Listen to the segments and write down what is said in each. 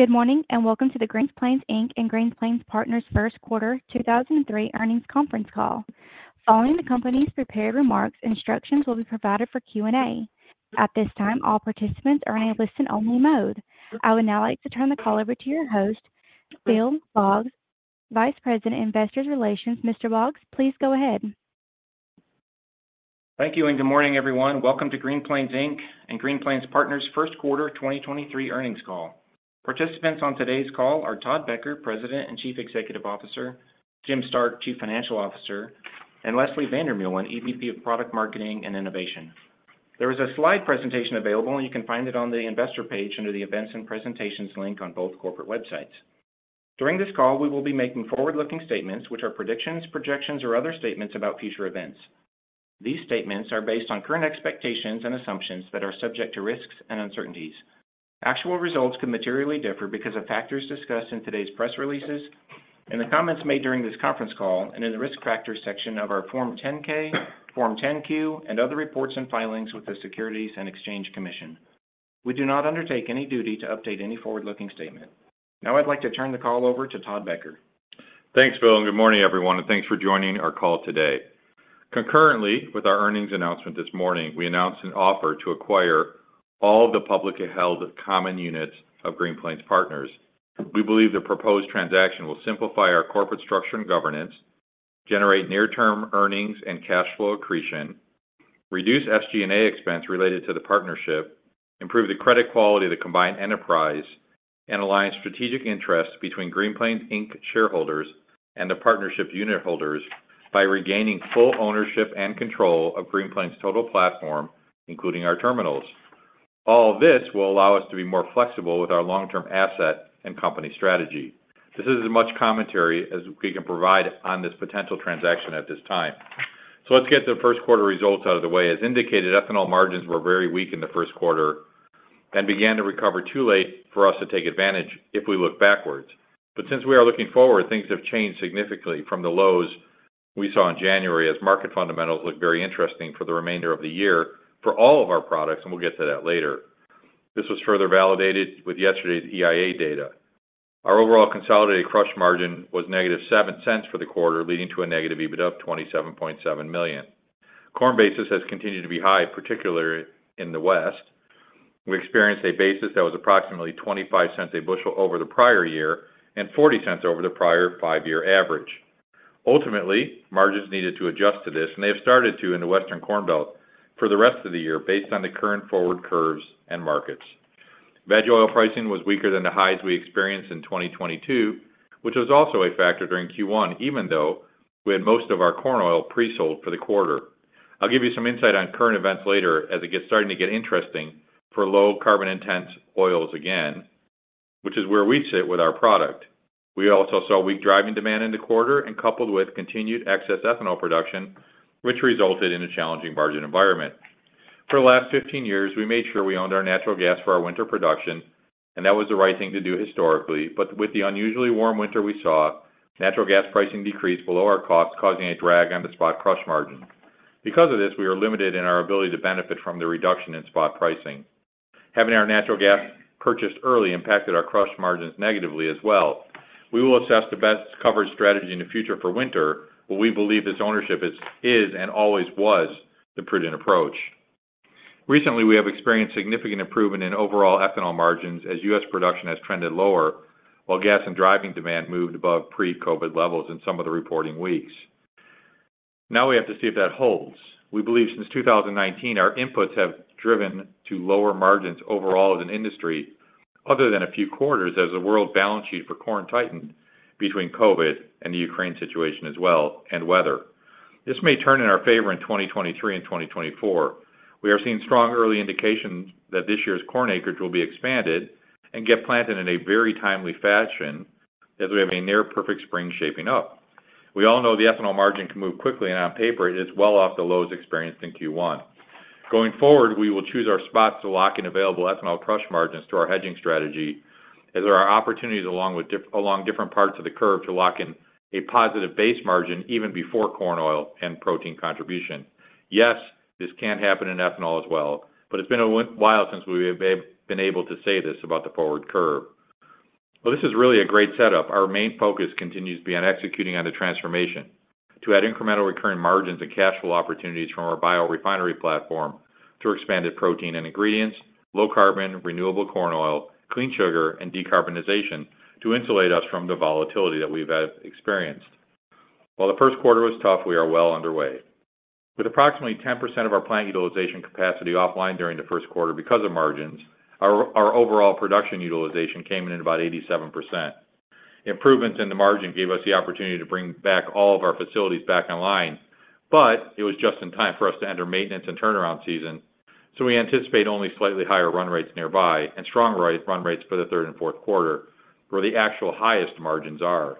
Good morning, and welcome to the Green Plains Inc. and Green Plains Partners first quarter 2003 earnings conference call. Following the company's prepared remarks, instructions will be provided for Q&A. At this time, all participants are in a listen-only mode. I would now like to turn the call over to your host, Phil Boggs, Vice President, Investor Relations. Mr. Boggs, please go ahead. Thank you. Good morning, everyone. Welcome to Green Plains Inc. and Green Plains Partners first quarter 2023 earnings call. Participants on today's call are Todd Becker, President and Chief Executive Officer; Jim Stark, Chief Financial Officer; and Leslie van der Meulen, EVP of Product Marketing and Innovation. There is a slide presentation available. You can find it on the investor page under the Events and Presentations link on both corporate websites. During this call, we will be making forward-looking statements, which are predictions, projections, or other statements about future events. These statements are based on current expectations and assumptions that are subject to risks and uncertainties. Actual results could materially differ because of factors discussed in today's press releases and the comments made during this conference call and in the Risk Factors section of our Form 10-K, Form 10-Q, and other reports and filings with the Securities and Exchange Commission. We do not undertake any duty to update any forward-looking statement. I'd like to turn the call over to Todd Becker. Thanks, Phil, and good morning, everyone, and thanks for joining our call today. Concurrently with our earnings announcement this morning, we announced an offer to acquire all the publicly held common units of Green Plains Partners. We believe the proposed transaction will simplify our corporate structure and governance, generate near-term earnings and cash flow accretion, reduce SG&A expense related to the partnership, improve the credit quality of the combined enterprise, and align strategic interests between Green Plains Inc. shareholders and the partnership unitholders by regaining full ownership and control of Green Plains' total platform, including our terminals. All this will allow us to be more flexible with our long-term asset and company strategy. This is as much commentary as we can provide on this potential transaction at this time. Let's get the first quarter results out of the way. As indicated, ethanol margins were very weak in the first quarter and began to recover too late for us to take advantage if we look backwards. Since we are looking forward, things have changed significantly from the lows we saw in January as market fundamentals look very interesting for the remainder of the year for all of our products, and we'll get to that later. This was further validated with yesterday's EIA data. Our overall consolidated crush margin was negative $0.07 for the quarter, leading to a negative EBITDA of $27.7 million. Corn basis has continued to be high, particularly in the West. We experienced a basis that was approximately $0.25 a bushel over the prior year and $0.40 over the prior five-year average. Margins needed to adjust to this, and they have started to in the Western Corn Belt for the rest of the year based on the current forward curves and markets. Veg oil pricing was weaker than the highs we experienced in 2022, which was also a factor during Q1, even though we had most of our corn oil pre-sold for the quarter. I'll give you some insight on current events later starting to get interesting for low carbon intense oils again, which is where we sit with our product. We also saw weak driving demand in the quarter and coupled with continued excess ethanol production, which resulted in a challenging margin environment. For the last 15 years, we made sure we owned our natural gas for our winter production. That was the right thing to do historically. With the unusually warm winter we saw, natural gas pricing decreased below our cost, causing a drag on the spot crush margin. Because of this, we are limited in our ability to benefit from the reduction in spot pricing. Having our natural gas purchased early impacted our crush margins negatively as well. We will assess the best coverage strategy in the future for winter, but we believe this ownership is and always was the prudent approach. Recently, we have experienced significant improvement in overall ethanol margins as U.S. production has trended lower, while gas and driving demand moved above pre-COVID levels in some of the reporting weeks. Now we have to see if that holds. We believe since 2019, our inputs have driven to lower margins overall as an industry, other than a few quarters as the world balance sheet for corn tightened between COVID and the Ukraine situation as well, and weather. This may turn in our favor in 2023 and 2024. We are seeing strong early indications that this year's corn acreage will be expanded and get planted in a very timely fashion as we have a near perfect spring shaping up. We all know the ethanol margin can move quickly, and on paper it is well off the lows experienced in Q1. Going forward, we will choose our spots to lock in available ethanol crush margins to our hedging strategy as there are opportunities along different parts of the curve to lock in a positive base margin even before corn oil and protein contribution. Yes, this can happen in ethanol as well, but it's been a while since we've been able to say this about the forward curve. Well, this is really a great setup. Our main focus continues to be on executing on the transformation to add incremental recurring margins and cash flow opportunities from our biorefinery platform through expanded protein and ingredients, low carbon, renewable corn oil, clean sugar, and decarbonization to insulate us from the volatility that we've experienced. While the first quarter was tough, we are well underway. With approximately 10% of our plant utilization capacity offline during the first quarter because of margins, our overall production utilization came in at about 87%. Improvements in the margin gave us the opportunity to bring back all of our facilities back online, but it was just in time for us to enter maintenance and turnaround season, so we anticipate only slightly higher run rates nearby and strong run rates for the third and fourth quarter, where the actual highest margins are.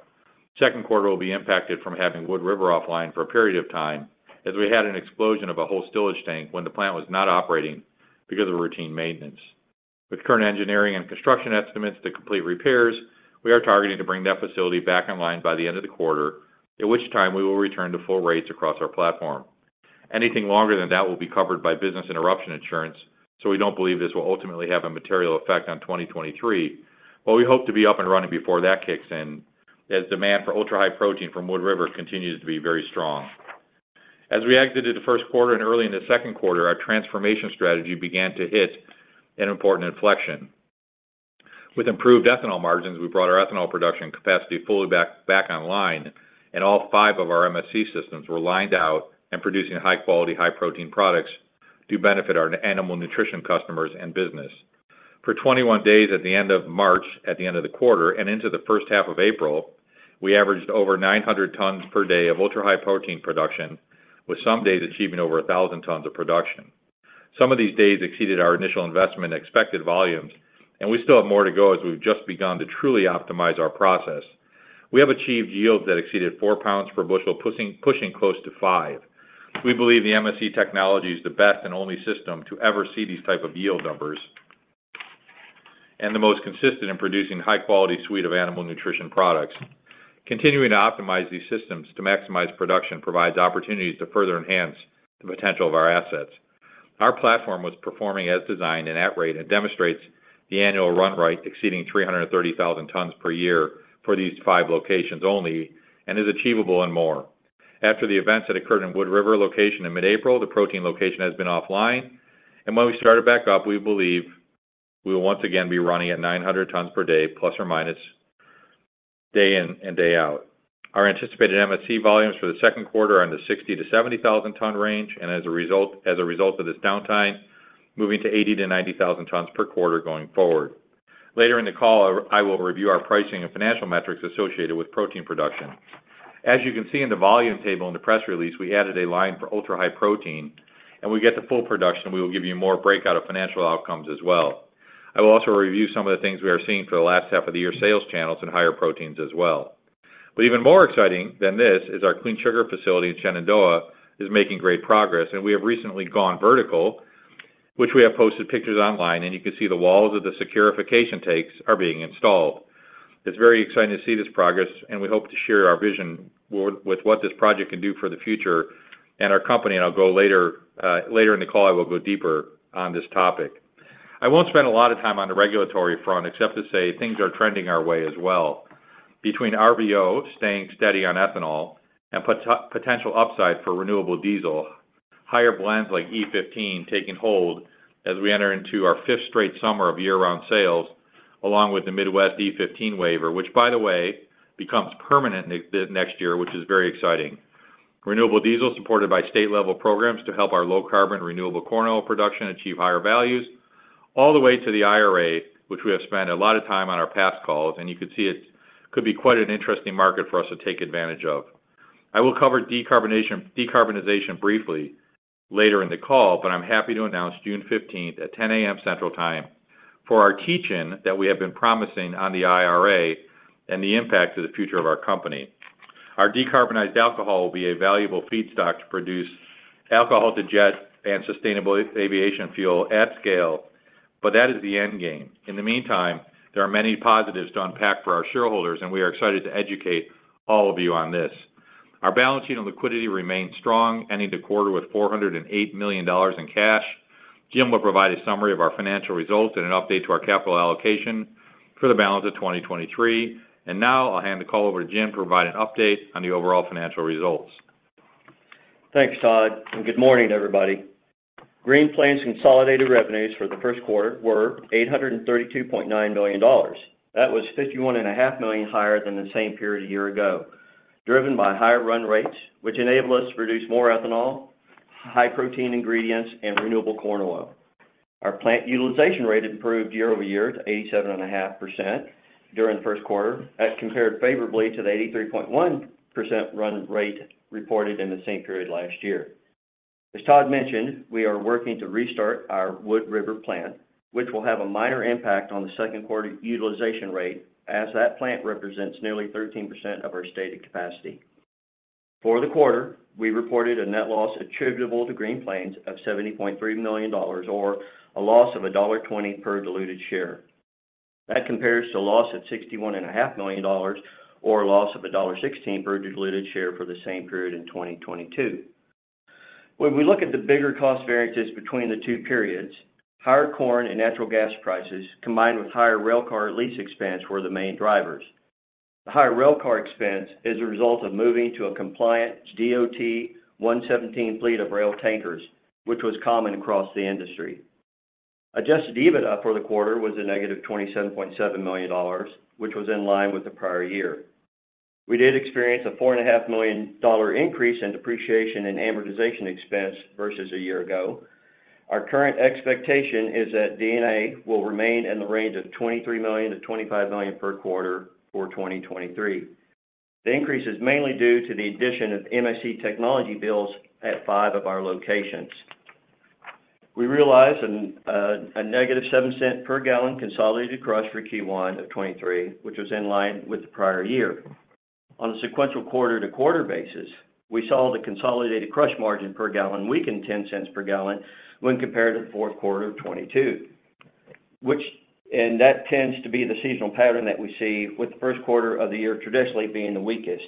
Second quarter will be impacted from having Wood River offline for a period of time as we had an explosion of a whole stillage tank when the plant was not operating because of routine maintenance. With current engineering and construction estimates to complete repairs, we are targeting to bring that facility back online by the end of the quarter, at which time we will return to full rates across our platform. Anything longer than that will be covered by business interruption insurance, we don't believe this will ultimately have a material effect on 2023. We hope to be up and running before that kicks in, as demand for ultra-high protein from Wood River continues to be very strong. As we exited the first quarter and early in the second quarter, our transformation strategy began to hit an important inflection. With improved ethanol margins, we brought our ethanol production capacity fully back online, and all five of our MSC systems were lined out and producing high-quality, high-protein products to benefit our animal nutrition customers and business. For 21 days at the end of March, at the end of the quarter, and into the first half of April, we averaged over 900 tons per day of ultra-high protein production, with some days achieving over 1,000 tons of production. Some of these days exceeded our initial investment expected volumes, and we still have more to go as we've just begun to truly optimize our process. We have achieved yields that exceeded 4 lbs per bushel, pushing close to 5. We believe the MSC technology is the best and only system to ever see these type of yield numbers, and the most consistent in producing high-quality suite of animal nutrition products. Continuing to optimize these systems to maximize production provides opportunities to further enhance the potential of our assets. Our platform was performing as designed and at rate, and demonstrates the annual run rate exceeding 330,000 tons per year for these five locations only, and is achievable and more. After the events that occurred in Wood River location in mid-April, the protein location has been offline. When we started back up, we believe we will once again be running at 900 tons per day, ±, day in and day out. Our anticipated MSC volumes for the second quarter are in the 60,000-70,000 tons range, as a result of this downtime, moving to 80,000-90,000 tons per quarter going forward. Later in the call, I will review our pricing and financial metrics associated with protein production. As you can see in the volume table in the press release, we added a line for ultra-high protein. When we get to full production, we will give you more breakout of financial outcomes as well. I will also review some of the things we are seeing for the last half of the year sales channels and higher proteins as well. Even more exciting than this is our Clean Sugar facility in Shenandoah is making great progress, and we have recently gone vertical, which we have posted pictures online, and you can see the walls of the saccharification tanks are being installed. It's very exciting to see this progress, and we hope to share our vision with what this project can do for the future and our company. Later in the call, I will go deeper on this topic. I won't spend a lot of time on the regulatory front except to say things are trending our way as well. Between RVO staying steady on ethanol and potential upside for renewable diesel, higher blends like E15 taking hold as we enter into our fifth straight summer of year-round sales, along with the Midwest E15 waiver, which by the way, becomes permanent next year, which is very exciting. Renewable diesel supported by state-level programs to help our low-carbon renewable corn oil production achieve higher values, all the way to the IRA, which we have spent a lot of time on our past calls, and you can see it could be quite an interesting market for us to take advantage of. I will cover decarbonization briefly later in the call, but I'm happy to announce June 15th at 10:00 A.M. Central Time for our teach-in that we have been promising on the IRA and the impact to the future of our company. Our decarbonized alcohol will be a valuable feedstock to produce alcohol to jet and sustainable aviation fuel at scale, but that is the end game. In the meantime, there are many positives to unpack for our shareholders, and we are excited to educate all of you on this. Our balance sheet and liquidity remain strong, ending the quarter with $408 million in cash. Jim will provide a summary of our financial results and an update to our capital allocation for the balance of 2023. Now I'll hand the call over to Jim to provide an update on the overall financial results. Thanks, Todd. Good morning, everybody. Green Plains' consolidated revenues for the first quarter were $832.9 million. That was $51.5 million higher than the same period a year ago, driven by higher run rates, which enable us to produce more ethanol, high-protein ingredients, and renewable corn oil. Our plant utilization rate improved year-over-year to 87.5% during the first quarter. That compared favorably to the 83.1% run rate reported in the same period last year. As Todd mentioned, we are working to restart our Wood River plant, which will have a minor impact on the second quarter utilization rate as that plant represents nearly 13% of our stated capacity. For the quarter, we reported a net loss attributable to Green Plains of $70.3 million or a loss of $1.20 per diluted share. That compares to a loss of $61.5 million or a loss of $1.16 per diluted share for the same period in 2022. When we look at the bigger cost variances between the two periods, higher corn and natural gas prices, combined with higher railcar lease expense were the main drivers. The higher railcar expense is a result of moving to a compliant DOT-117 fleet of rail tankers, which was common across the industry. Adjusted EBITDA for the quarter was a negative $27.7 million, which was in line with the prior year. We did experience a four and a half million dollar increase in depreciation and amortization expense versus a year ago. Our current expectation is that D&A will remain in the range of $23 million-$25 million per quarter for 2023. The increase is mainly due to the addition of MSC technology builds at five of our locations. We realized a negative $0.07 per gallon consolidated crush for Q1 of 2023, which was in line with the prior year. On a sequential quarter-to-quarter basis, we saw the consolidated crush margin per gallon weaken $0.10 per gallon when compared to the fourth quarter of 2022. That tends to be the seasonal pattern that we see with the first quarter of the year traditionally being the weakest.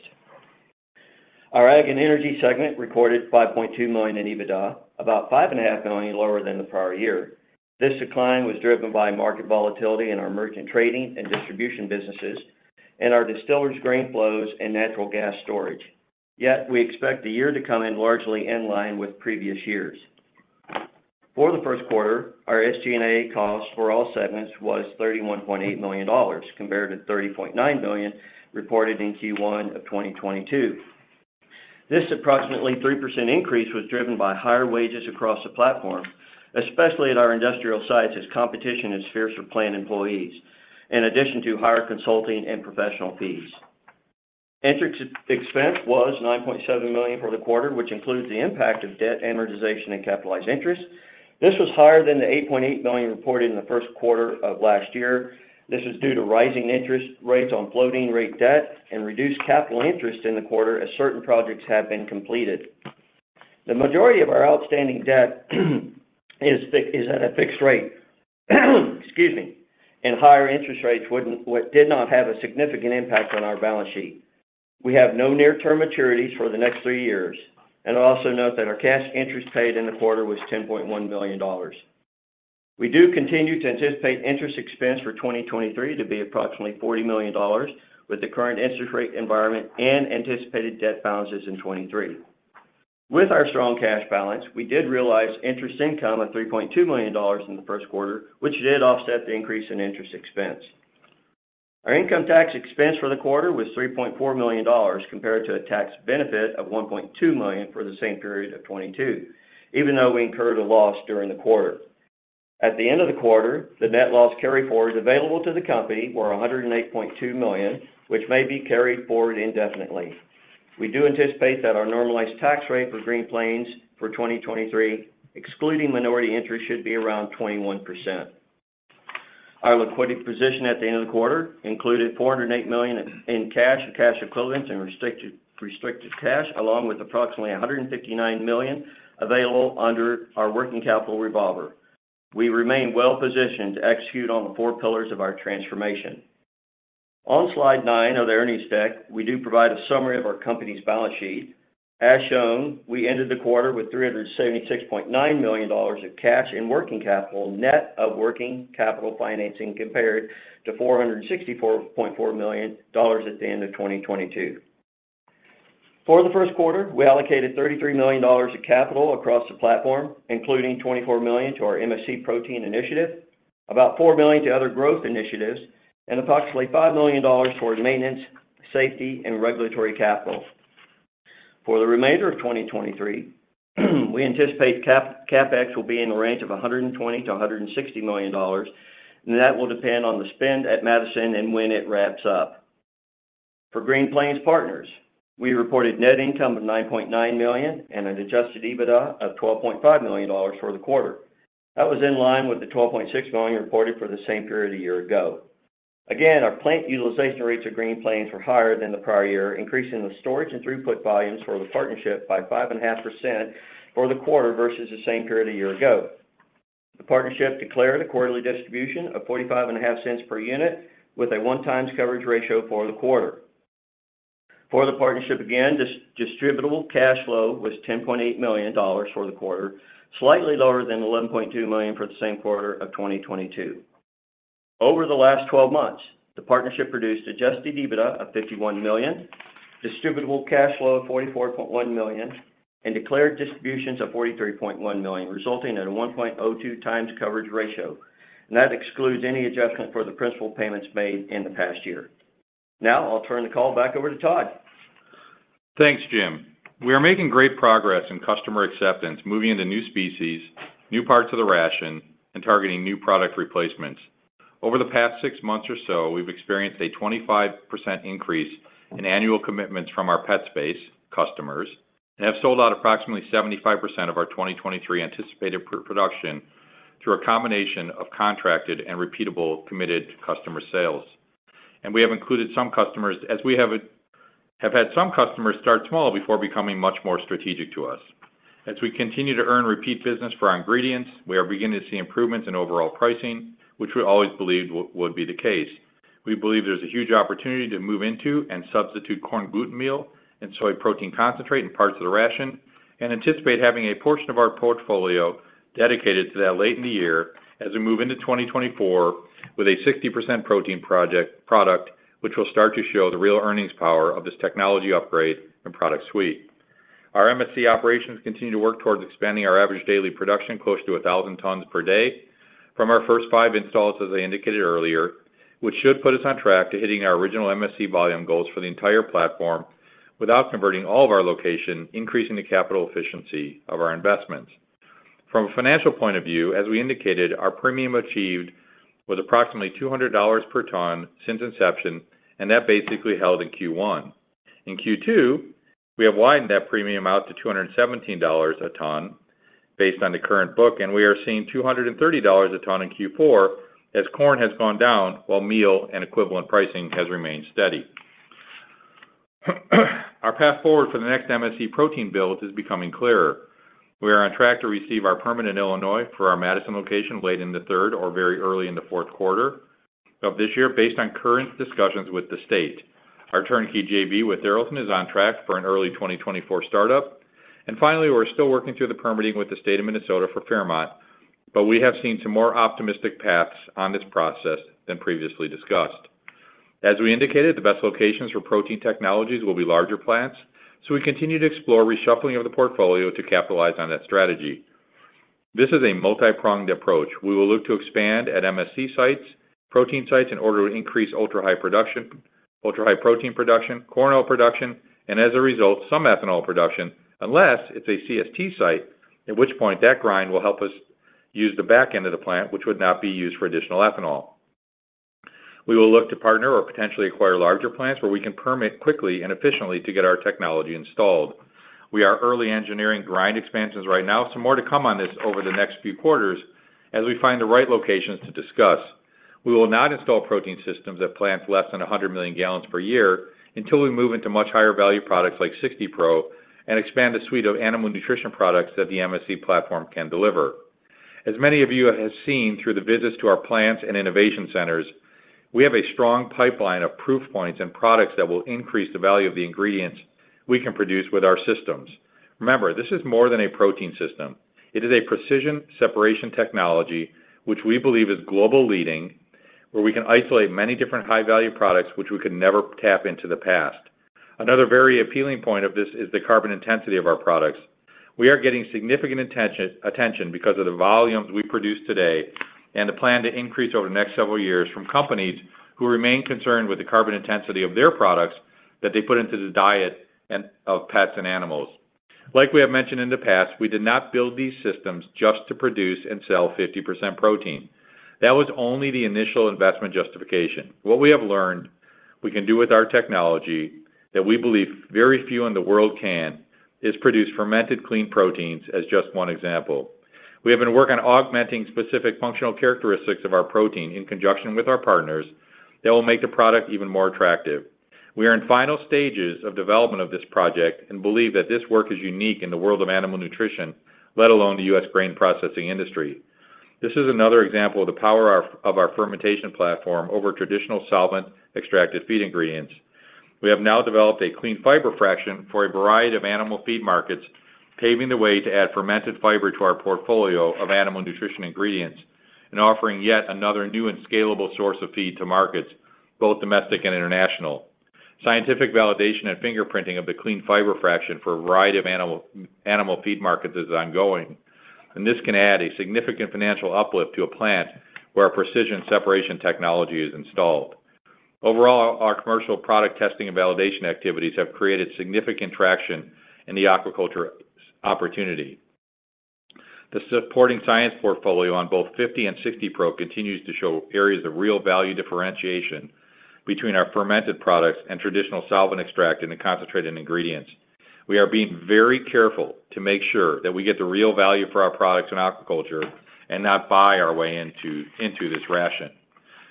Our Ag and Energy segment recorded $5.2 million in EBITDA, about $5.5 million lower than the prior year. This decline was driven by market volatility in our merchant trading and distribution businesses and our distillers' grain flows and natural gas storage. We expect the year to come in largely in line with previous years. For the first quarter, our SG&A cost for all segments was $31.8 million compared to $30.9 million reported in Q1 of 2022. This approximately 3% increase was driven by higher wages across the platform, especially at our industrial sites as competition is fierce for plant employees, in addition to higher consulting and professional fees. Interest expense was $9.7 million for the quarter, which includes the impact of debt amortization and capitalized interest. This was higher than the $8.8 million reported in the first quarter of last year. This is due to rising interest rates on floating rate debt and reduced capital interest in the quarter as certain projects have been completed. The majority of our outstanding debt is at a fixed rate, excuse me, and higher interest rates did not have a significant impact on our balance sheet. We have no near-term maturities for the next three years. Also note that our cash interest paid in the quarter was $10.1 million. We do continue to anticipate interest expense for 2023 to be approximately $40 million with the current interest rate environment and anticipated debt balances in 2023. With our strong cash balance, we did realize interest income of $3.2 million in the first quarter, which did offset the increase in interest expense. Our income tax expense for the quarter was $3.4 million compared to a tax benefit of $1.2 million for the same period of 2022, even though we incurred a loss during the quarter. At the end of the quarter, the net loss carryforward available to the company were $108.2 million, which may be carried forward indefinitely. We do anticipate that our normalized tax rate for Green Plains for 2023, excluding minority interest, should be around 21%. Our liquidity position at the end of the quarter included $408 million in cash and cash equivalents and restricted cash, along with approximately $159 million available under our working capital revolver. We remain well positioned to execute on the four pillars of our transformation. On slide nine of the earnings deck, we do provide a summary of our company's balance sheet. As shown, we ended the quarter with $376.9 million of cash and working capital, net of working capital financing compared to $464.4 million at the end of 2022. For the first quarter, we allocated $33 million of capital across the platform, including $24 million to our MSC protein initiative, about $4 million to other growth initiatives, and approximately $5 million towards maintenance, safety, and regulatory capital. For the remainder of 2023, we anticipate CapEx will be in the range of $120 million-$160 million, and that will depend on the spend at Madison and when it wraps up. For Green Plains Partners, we reported net income of $9.9 million and an adjusted EBITDA of $12.5 million for the quarter. That was in line with the $12.6 million reported for the same period a year ago. Again, our plant utilization rates at Green Plains were higher than the prior year, increasing the storage and throughput volumes for the partnership by 5.5% for the quarter versus the same period a year ago. The partnership declared a quarterly distribution of $0.455 per unit with a 1x coverage ratio for the quarter. For the partnership, again, distributable cash flow was $10.8 million for the quarter, slightly lower than $11.2 million for the same quarter of 2022. Over the last 12 months, the partnership produced adjusted EBITDA of $51 million, distributable cash flow of $44.1 million, and declared distributions of $43.1 million, resulting in a 1.02 times coverage ratio. That excludes any adjustment for the principal payments made in the past year. I'll turn the call back over to Todd. Thanks, Jim. We are making great progress in customer acceptance, moving into new species, new parts of the ration, and targeting new product replacements. Over the past six months or so, we've experienced a 25% increase in annual commitments from our pet space customers and have sold out approximately 75% of our 2023 anticipated production through a combination of contracted and repeatable committed customer sales. We have included some customers as we have had some customers start small before becoming much more strategic to us. As we continue to earn repeat business for our ingredients, we are beginning to see improvements in overall pricing, which we always believed would be the case. We believe there's a huge opportunity to move into and substitute corn gluten meal and soy protein concentrate in parts of the ration and anticipate having a portion of our portfolio dedicated to that late in the year as we move into 2024 with a 60% protein product which will start to show the real earnings power of this technology upgrade and product suite. Our MSC operations continue to work towards expanding our average daily production close to 1,000 tons per day from our first five installs, as I indicated earlier, which should put us on track to hitting our original MSC volume goals for the entire platform without converting all of our location, increasing the capital efficiency of our investments. From a financial point of view, as we indicated, our premium achieved was approximately $200 per ton since inception. That basically held in Q1. In Q2, we have widened that premium out to $217 a ton based on the current book. We are seeing $230 a ton in Q4 as corn has gone down while meal and equivalent pricing has remained steady Our path forward for the next MSC protein build is becoming clearer. We are on track to receive our permanent Illinois for our Madison location late in the third or very early in the fourth quarter of this year based on current discussions with the state. Our turnkey JV with Arlington is on track for an early 2024 startup. Finally, we're still working through the permitting with the state of Minnesota for Fairmont, but we have seen some more optimistic paths on this process than previously discussed. As we indicated, the best locations for protein technologies will be larger plants, so we continue to explore reshuffling of the portfolio to capitalize on that strategy. This is a multi-pronged approach. We will look to expand at MSC sites, protein sites in order to increase ultra-high production, ultra-high protein production, corn oil production, and as a result, some ethanol production, unless it's a CST site, at which point that grind will help us use the back end of the plant, which would not be used for additional ethanol. We will look to partner or potentially acquire larger plants where we can permit quickly and efficiently to get our technology installed. We are early engineering grind expansions right now. More to come on this over the next few quarters as we find the right locations to discuss. We will not install protein systems at plants less than 100 million gallons per year until we move into much higher value products like 60 Pro and expand the suite of animal nutrition products that the MSC platform can deliver. As many of you have seen through the visits to our plants and innovation centers, we have a strong pipeline of proof points and products that will increase the value of the ingredients we can produce with our systems. Remember, this is more than a protein system. It is a precision separation technology, which we believe is global leading, where we can isolate many different high-value products which we could never tap into the past. Another very appealing point of this is the carbon intensity of our products. We are getting significant attention because of the volumes we produce today and the plan to increase over the next several years from companies who remain concerned with the carbon intensity of their products that they put into the diet of pets and animals. Like we have mentioned in the past, we did not build these systems just to produce and sell 50% protein. That was only the initial investment justification. What we have learned we can do with our technology that we believe very few in the world can is produce fermented clean proteins as just one example. We have been working on augmenting specific functional characteristics of our protein in conjunction with our partners that will make the product even more attractive. We are in final stages of development of this project and believe that this work is unique in the world of animal nutrition, let alone the U.S. grain processing industry. This is another example of the power of our fermentation platform over traditional solvent extracted feed ingredients. We have now developed a clean fiber fraction for a variety of animal feed markets, paving the way to add fermented fiber to our portfolio of animal nutrition ingredients and offering yet another new and scalable source of feed to markets, both domestic and international. Scientific validation and fingerprinting of the clean fiber fraction for a variety of animal feed markets is ongoing, and this can add a significant financial uplift to a plant where our precision separation technology is installed. Overall, our commercial product testing and validation activities have created significant traction in the aquaculture opportunity. The supporting science portfolio on both 50 Pro and 60 Pro continues to show areas of real value differentiation between our fermented products and traditional solvent extract and the concentrated ingredients. We are being very careful to make sure that we get the real value for our products in aquaculture and not buy our way into this ration.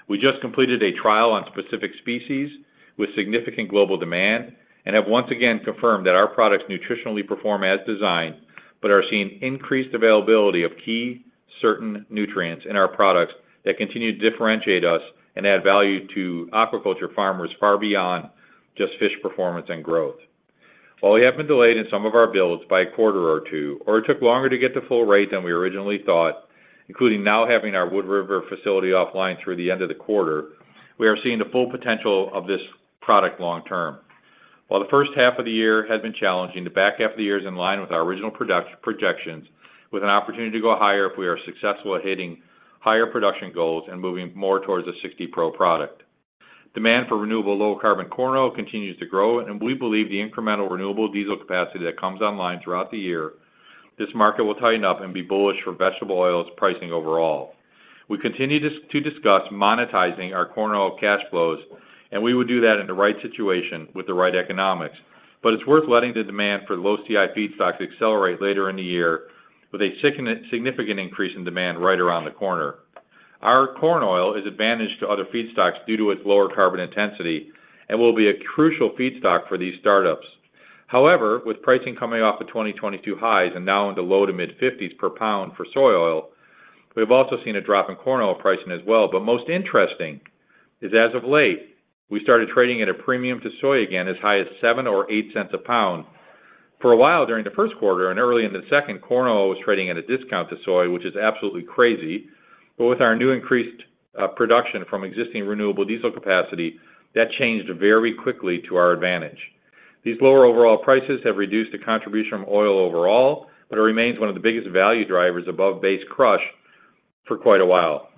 We just completed a trial on specific species with significant global demand and have once again confirmed that our products nutritionally perform as designed but are seeing increased availability of key certain nutrients in our products that continue to differentiate us and add value to aquaculture farmers far beyond just fish performance and growth. While we have been delayed in some of our builds by a quarter or two, or it took longer to get to full rate than we originally thought, including now having our Wood River facility offline through the end of the quarter, we are seeing the full potential of this product long term. While the first half of the year has been challenging, the back half of the year is in line with our original projections with an opportunity to go higher if we are successful at hitting higher production goals and moving more towards the 60 Pro product. Demand for renewable low carbon corn oil continues to grow. We believe the incremental renewable diesel capacity that comes online throughout the year, this market will tighten up and be bullish for vegetable oils pricing overall. We continue to discuss monetizing our corn oil cash flows. We would do that in the right situation with the right economics. It's worth letting the demand for low CI feedstocks accelerate later in the year with a significant increase in demand right around the corner. Our corn oil is advantage to other feedstocks due to its lower carbon intensity and will be a crucial feedstock for these startups. With pricing coming off of 2022 highs and now in the low to mid $0.50s per pound for soy oil, we've also seen a drop in corn oil pricing as well. Most interesting is as of late, we started trading at a premium to soy again as high as $0.07 or $0.08 a pound. For a while during the first quarter and early in the second, corn oil was trading at a discount to soy, which is absolutely crazy. With our new increased production from existing renewable diesel capacity, that changed very quickly to our advantage. These lower overall prices have reduced the contribution from oil overall, it remains one of the biggest value drivers above base crush for quite a while.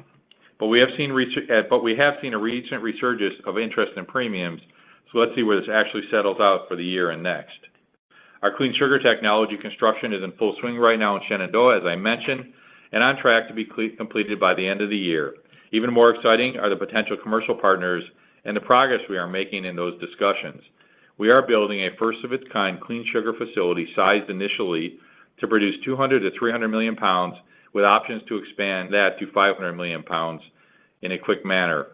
We have seen a recent resurgence of interest in premiums, let's see where this actually settles out for the year and next. Our clean sugar technology construction is in full swing right now in Shenandoah, as I mentioned, and on track to be completed by the end of the year. Even more exciting are the potential commercial partners and the progress we are making in those discussions. We are building a first of its kind clean sugar facility sized initially to produce 200 million-300 million pounds with options to expand that to 500 million pounds in a quick manner.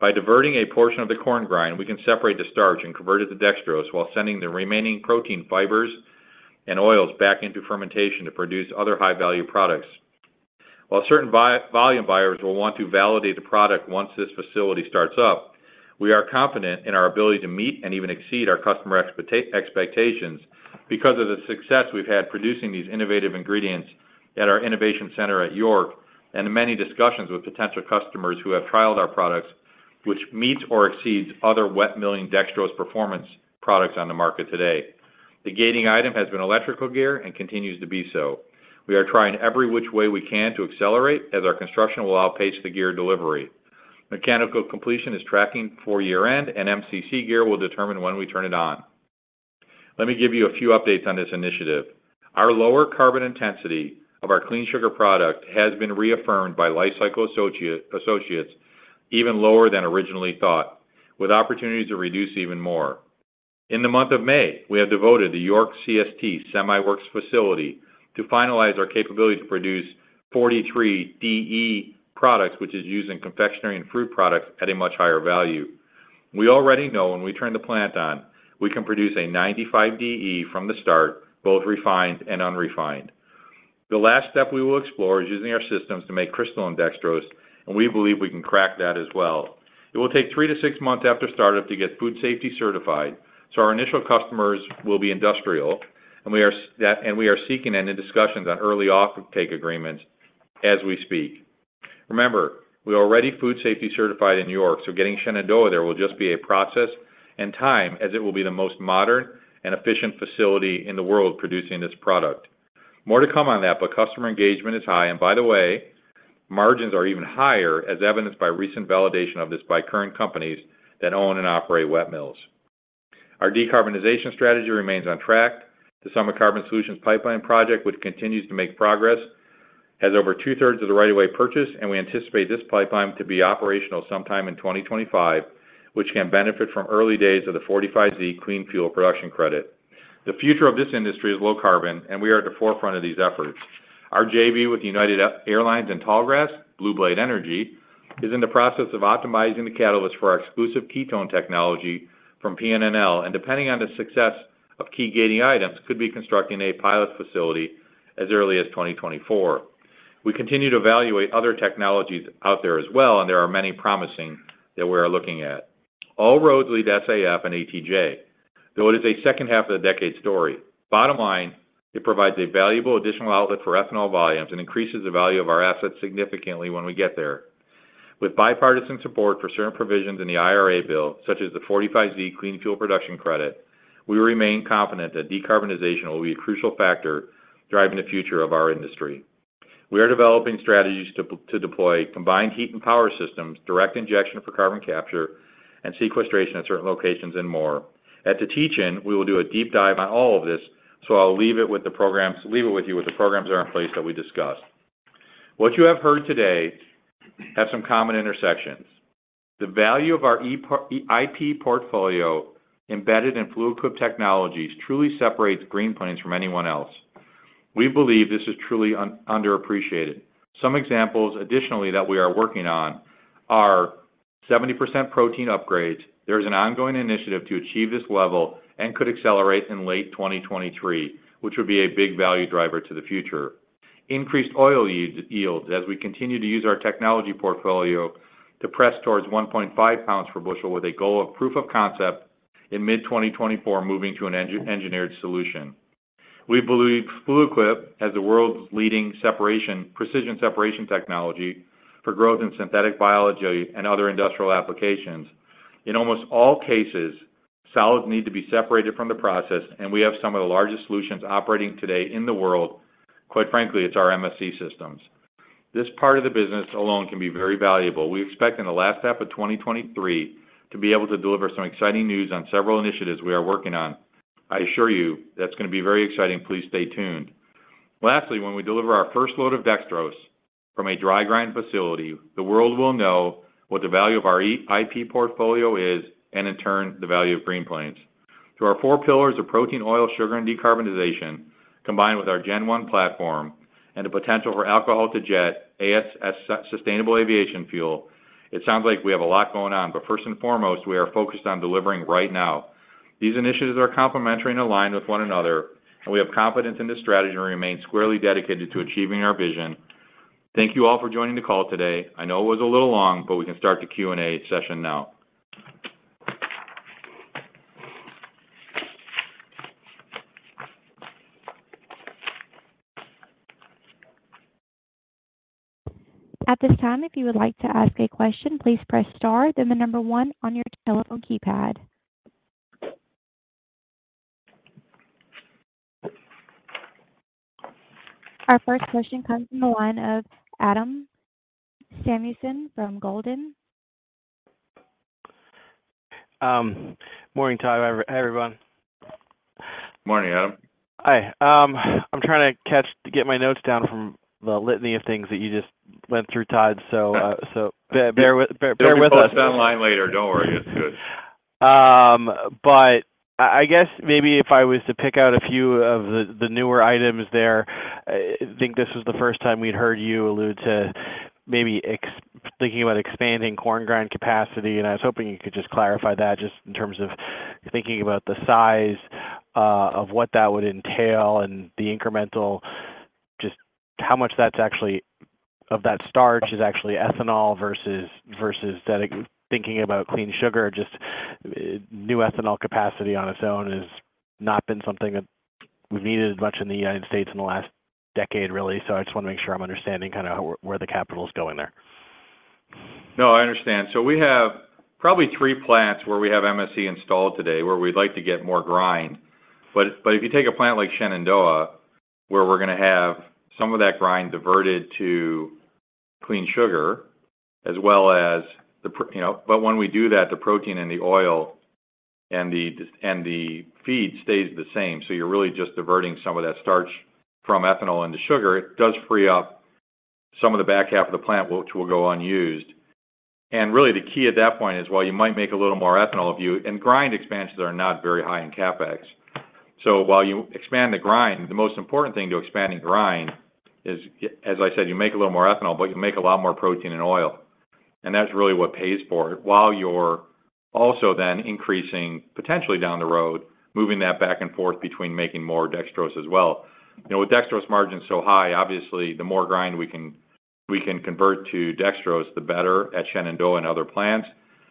By diverting a portion of the corn grind, we can separate the starch and convert it to dextrose while sending the remaining protein fibers and oils back into fermentation to produce other high-value products. While certain volume buyers will want to validate the product once this facility starts up, we are confident in our ability to meet and even exceed our customer expectations because of the success we've had producing these innovative ingredients at our innovation center at York and the many discussions with potential customers who have trialed our products, which meets or exceeds other wet milling dextrose performance products on the market today. The gating item has been electrical gear and continues to be so. We are trying every which way we can to accelerate as our construction will outpace the gear delivery. Mechanical completion is tracking for year-end, and MCC gear will determine when we turn it on. Let me give you a few updates on this initiative. Our lower carbon intensity of our clean sugar product has been reaffirmed by Life Cycle Associates even lower than originally thought, with opportunities to reduce even more. In the month of May, we have devoted the York CST semiworks facility to finalize our capability to produce 43 DE products, which is used in confectionery and fruit products at a much higher value. We already know when we turn the plant on, we can produce a 95 DE from the start, both refined and unrefined. The last step we will explore is using our systems to make crystalline dextrose, and we believe we can crack that as well. It will take three to six months after startup to get food safety certified. Our initial customers will be industrial, and we are seeking and in discussions on early offtake agreements as we speak. Remember, we are already food safety certified in York. Getting Shenandoah there will just be a process and time as it will be the most modern and efficient facility in the world producing this product. More to come on that, customer engagement is high. By the way, margins are even higher as evidenced by recent validation of this by current companies that own and operate wet mills. Our decarbonization strategy remains on track. The Summit Carbon Solutions pipeline project, which continues to make progress, has over two-thirds of the right-of-way purchase, and we anticipate this pipeline to be operational sometime in 2025, which can benefit from early days of the 45Z clean fuel production credit. The future of this industry is low carbon, and we are at the forefront of these efforts. Our JV with United Airlines and Tallgrass, Blue Blade Energy, is in the process of optimizing the catalyst for our exclusive ketone technology from PNNL, and depending on the success of key gating items, could be constructing a pilot facility as early as 2024. We continue to evaluate other technologies out there as well, and there are many promising that we are looking at. All roads lead to SAF and ATJ, though it is a second half of the decade story. Bottom line, it provides a valuable additional outlet for ethanol volumes and increases the value of our assets significantly when we get there. With bipartisan support for certain provisions in the IRA, such as the 45Z clean fuel production credit, we remain confident that decarbonization will be a crucial factor driving the future of our industry. We are developing strategies to deploy combined heat and power systems, direct injection for carbon capture and sequestration at certain locations and more. At the teach-in, we will do a deep dive on all of this, so I'll leave it with you with the programs that are in place that we discussed. What you have heard today have some common intersections. The value of our IP portfolio embedded in Fluid Quip Technologies truly separates Green Plains from anyone else. We believe this is truly underappreciated. Some examples additionally that we are working on are 70% protein upgrades. There is an ongoing initiative to achieve this level and could accelerate in late 2023, which would be a big value driver to the future. Increased oil yield as we continue to use our technology portfolio to press towards 1.5 lbs per bushel with a goal of proof of concept in mid-2024, moving to an engineered solution. We believe Fluid Quip as the world's leading precision separation technology for growth in synthetic biology and other industrial applications. In almost all cases, solids need to be separated from the process, and we have some of the largest solutions operating today in the world. Quite frankly, it's our MSC systems. This part of the business alone can be very valuable. We expect in the last half of 2023 to be able to deliver some exciting news on several initiatives we are working on. I assure you that's going to be very exciting. Please stay tuned. Lastly, when we deliver our first load of dextrose from a dry grind facility, the world will know what the value of our IP portfolio is and in turn, the value of Green Plains. Through our four pillars of protein, oil, sugar, and decarbonization, combined with our Gen 1 platform and the potential for alcohol to jet, sustainable aviation fuel, it sounds like we have a lot going on, first and foremost, we are focused on delivering right now. These initiatives are complementary and aligned with one another, we have confidence in this strategy and remain squarely dedicated to achieving our vision. Thank you all for joining the call today. I know it was a little long, but we can start the Q&A session now. At this time, if you would like to ask a question, please press star, then the number one on your telephone keypad. Our first question comes from the line of Adam Samuelson from Goldman Sachs. Morning, Todd. Everyone. Morning, Adam. Hi. I'm trying to get my notes down from the litany of things that you just went through, Todd. Bear with us. They'll be posted online later. Don't worry. It's good. I guess maybe if I was to pick out a few of the newer items there, I think this was the first time we'd heard you allude to maybe thinking about expanding corn grind capacity, and I was hoping you could just clarify that just in terms of thinking about the size of what that would entail and the incremental, just how much that's actually, of that starch is actually ethanol versus then thinking about clean sugar. Just new ethanol capacity on its own has not been something that we've needed as much in the United States in the last decade, really. I just wanna make sure I'm understanding kind of where the capital's going there. I understand. We have probably three plants where we have MSC installed today, where we'd like to get more grind. If you take a plant like Shenandoah, where we're gonna have some of that grind diverted to clean sugar as well as the you know. When we do that, the protein and the oil and the feed stays the same, so you're really just diverting some of that starch from ethanol into sugar. It does free up some of the back half of the plant which will go unused. Really, the key at that point is while you might make a little more ethanol if you. Grind expansions are not very high in CapEx. While you expand the grind, the most important thing to expanding grind is as I said, you make a little more ethanol, but you make a lot more protein and oil. That's really what pays for it while you're also then increasing, potentially down the road, moving that back and forth between making more dextrose as well. You know, with dextrose margins so high, obviously, the more grind we can, we can convert to dextrose, the better at Shenandoah and other plants,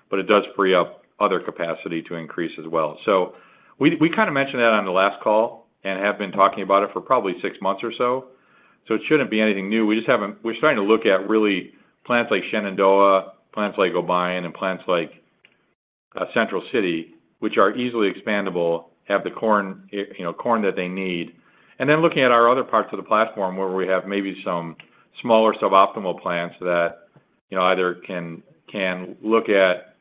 but it does free up other capacity to increase as well. We, we kinda mentioned that on the last call and have been talking about it for probably six months or so it shouldn't be anything new. We're starting to look at really plants like Shenandoah, plants like Obion, and plants like Central City, which are easily expandable, have the corn that they need. Looking at our other parts of the platform where we have maybe some smaller suboptimal plants that, you know, either can look at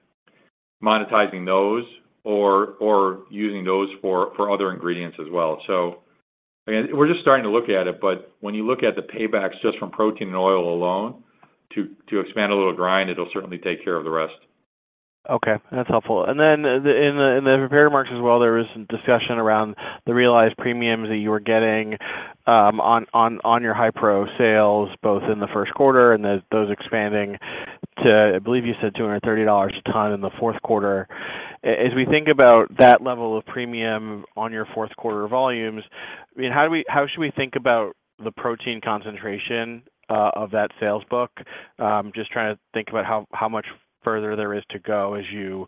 monetizing those or using those for other ingredients as well. Again, we're just starting to look at it, but when you look at the paybacks just from protein and oil alone to expand a little grind, it'll certainly take care of the rest. That's helpful. In the prepared remarks as well, there was some discussion around the realized premiums that you were getting on your high pro sales, both in the first quarter and those expanding to, I believe you said $230 a ton in the fourth quarter. As we think about that level of premium on your fourth quarter volumes, I mean, how should we think about the protein concentration of that sales book? Just trying to think about how much further there is to go as you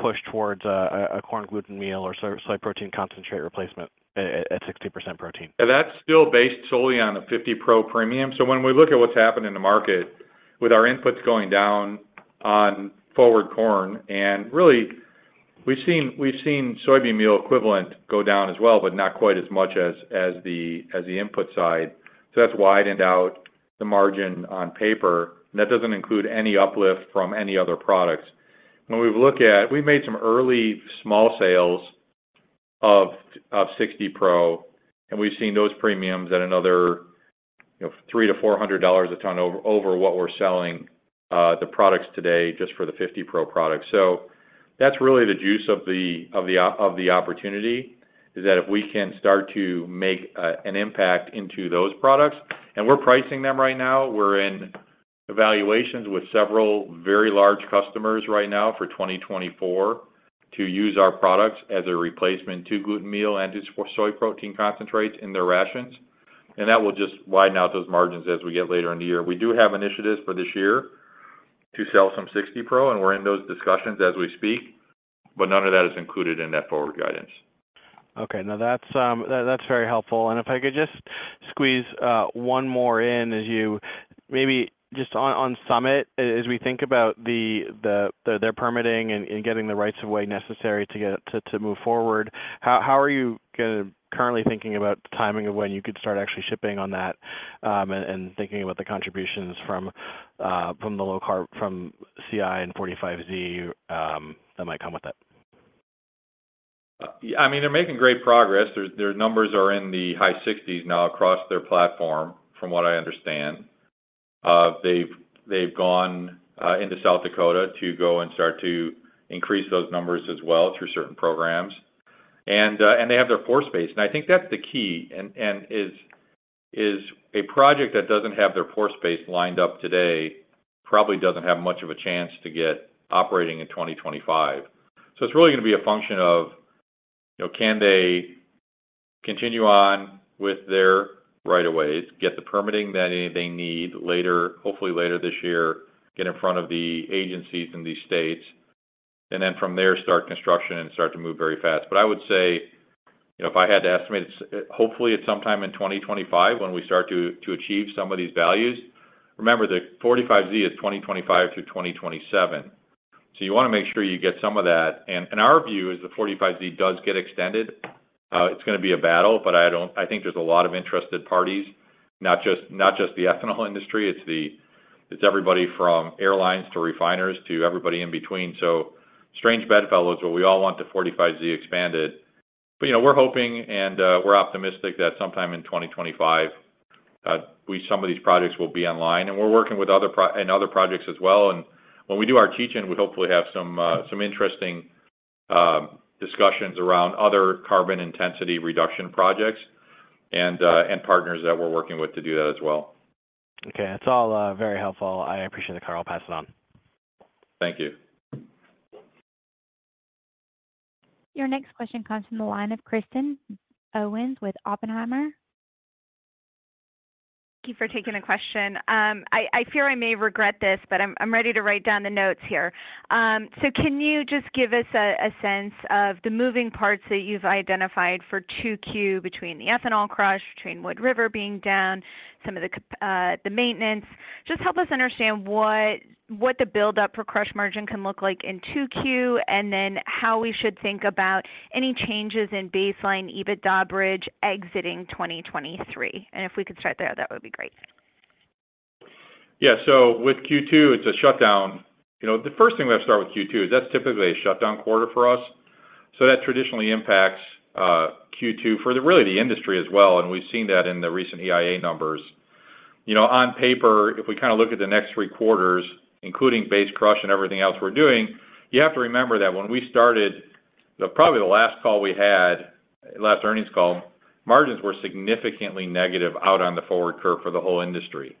push towards a corn gluten meal or soy protein concentrate replacement at 60% protein. Yeah, that's still based solely on a 50 Pro premium. When we look at what's happened in the market with our inputs going down on forward corn, and really we've seen soybean meal equivalent go down as well, but not quite as much as the input side. That's widened out the margin on paper, and that doesn't include any uplift from any other products. We've made some early small sales of 60 Pro, and we've seen those premiums at another, you know, $300-$400 a ton over what we're selling the products today just for the 50 Pro products. That's really the juice of the opportunity, is that if we can start to make an impact into those products. We're pricing them right now. We're in evaluations with several very large customers right now for 2024 to use our products as a replacement to gluten meal and to soy protein concentrates in their rations. That will just widen out those margins as we get later in the year. We do have initiatives for this year to sell some 60 Pro, and we're in those discussions as we speak, but none of that is included in that forward guidance. Okay. No, that's very helpful. If I could just squeeze one more in as you maybe just on Summit as we think about their permitting and getting the rights of way necessary to move forward. How, how are you kinda currently thinking about the timing of when you could start actually shipping on that, and thinking about the contributions from the low carb, from CI and 45Z, that might come with it? Yeah. I mean, they're making great progress. Their numbers are in the high sixties now across their platform, from what I understand. They've gone into South Dakota to go and start to increase those numbers as well through certain programs. They have their force base, and I think that's the key and a project that doesn't have their force base lined up today probably doesn't have much of a chance to get operating in 2025. It's really gonna be a function of, you know, can they continue on with their right of ways, get the permitting that they need later, hopefully later this year, get in front of the agencies in these states, and then from there start construction and start to move very fast. I would say, you know, if I had to estimate, hopefully it's sometime in 2025 when we start to achieve some of these values. Remember, the 45Z is 2025 through 2027. You wanna make sure you get some of that. In our view, as the 45Z does get extended, it's gonna be a battle, but I think there's a lot of interested parties, not just the ethanol industry. It's everybody from airlines to refiners to everybody in between. Strange bedfellows, but we all want the 45Z expanded. You know, we're hoping and we're optimistic that sometime in 2025, some of these projects will be online, and we're working with other projects as well, and when we do our teach-in, we'll hopefully have some interesting discussions around other carbon intensity reduction projects and partners that we're working with to do that as well. Okay. That's all, very helpful. I appreciate the color. I'll pass it on. Thank you. Your next question comes from the line of Kristen Owen with Oppenheimer. Thank you for taking the question. I fear I may regret this, but I'm ready to write down the notes here. Can you just give us a sense of the moving parts that you've identified for 2Q between the ethanol crush, between Wood River being down, some of the CapEx, the maintenance? Just help us understand what the buildup for crush margin can look like in 2Q, and then how we should think about any changes in baseline EBITDA bridge exiting 2023. If we could start there, that would be great. With Q2, it's a shutdown. You know, the first thing we have to start with Q2 is that's typically a shutdown quarter for us, that traditionally impacts Q2 for really the industry as well, and we've seen that in the recent EIA numbers. You know, on paper, if we kind of look at the next three quarters, including base crush and everything else we're doing, you have to remember that when we started, probably the last call we had, last earnings call, margins were significantly negative out on the forward curve for the whole industry.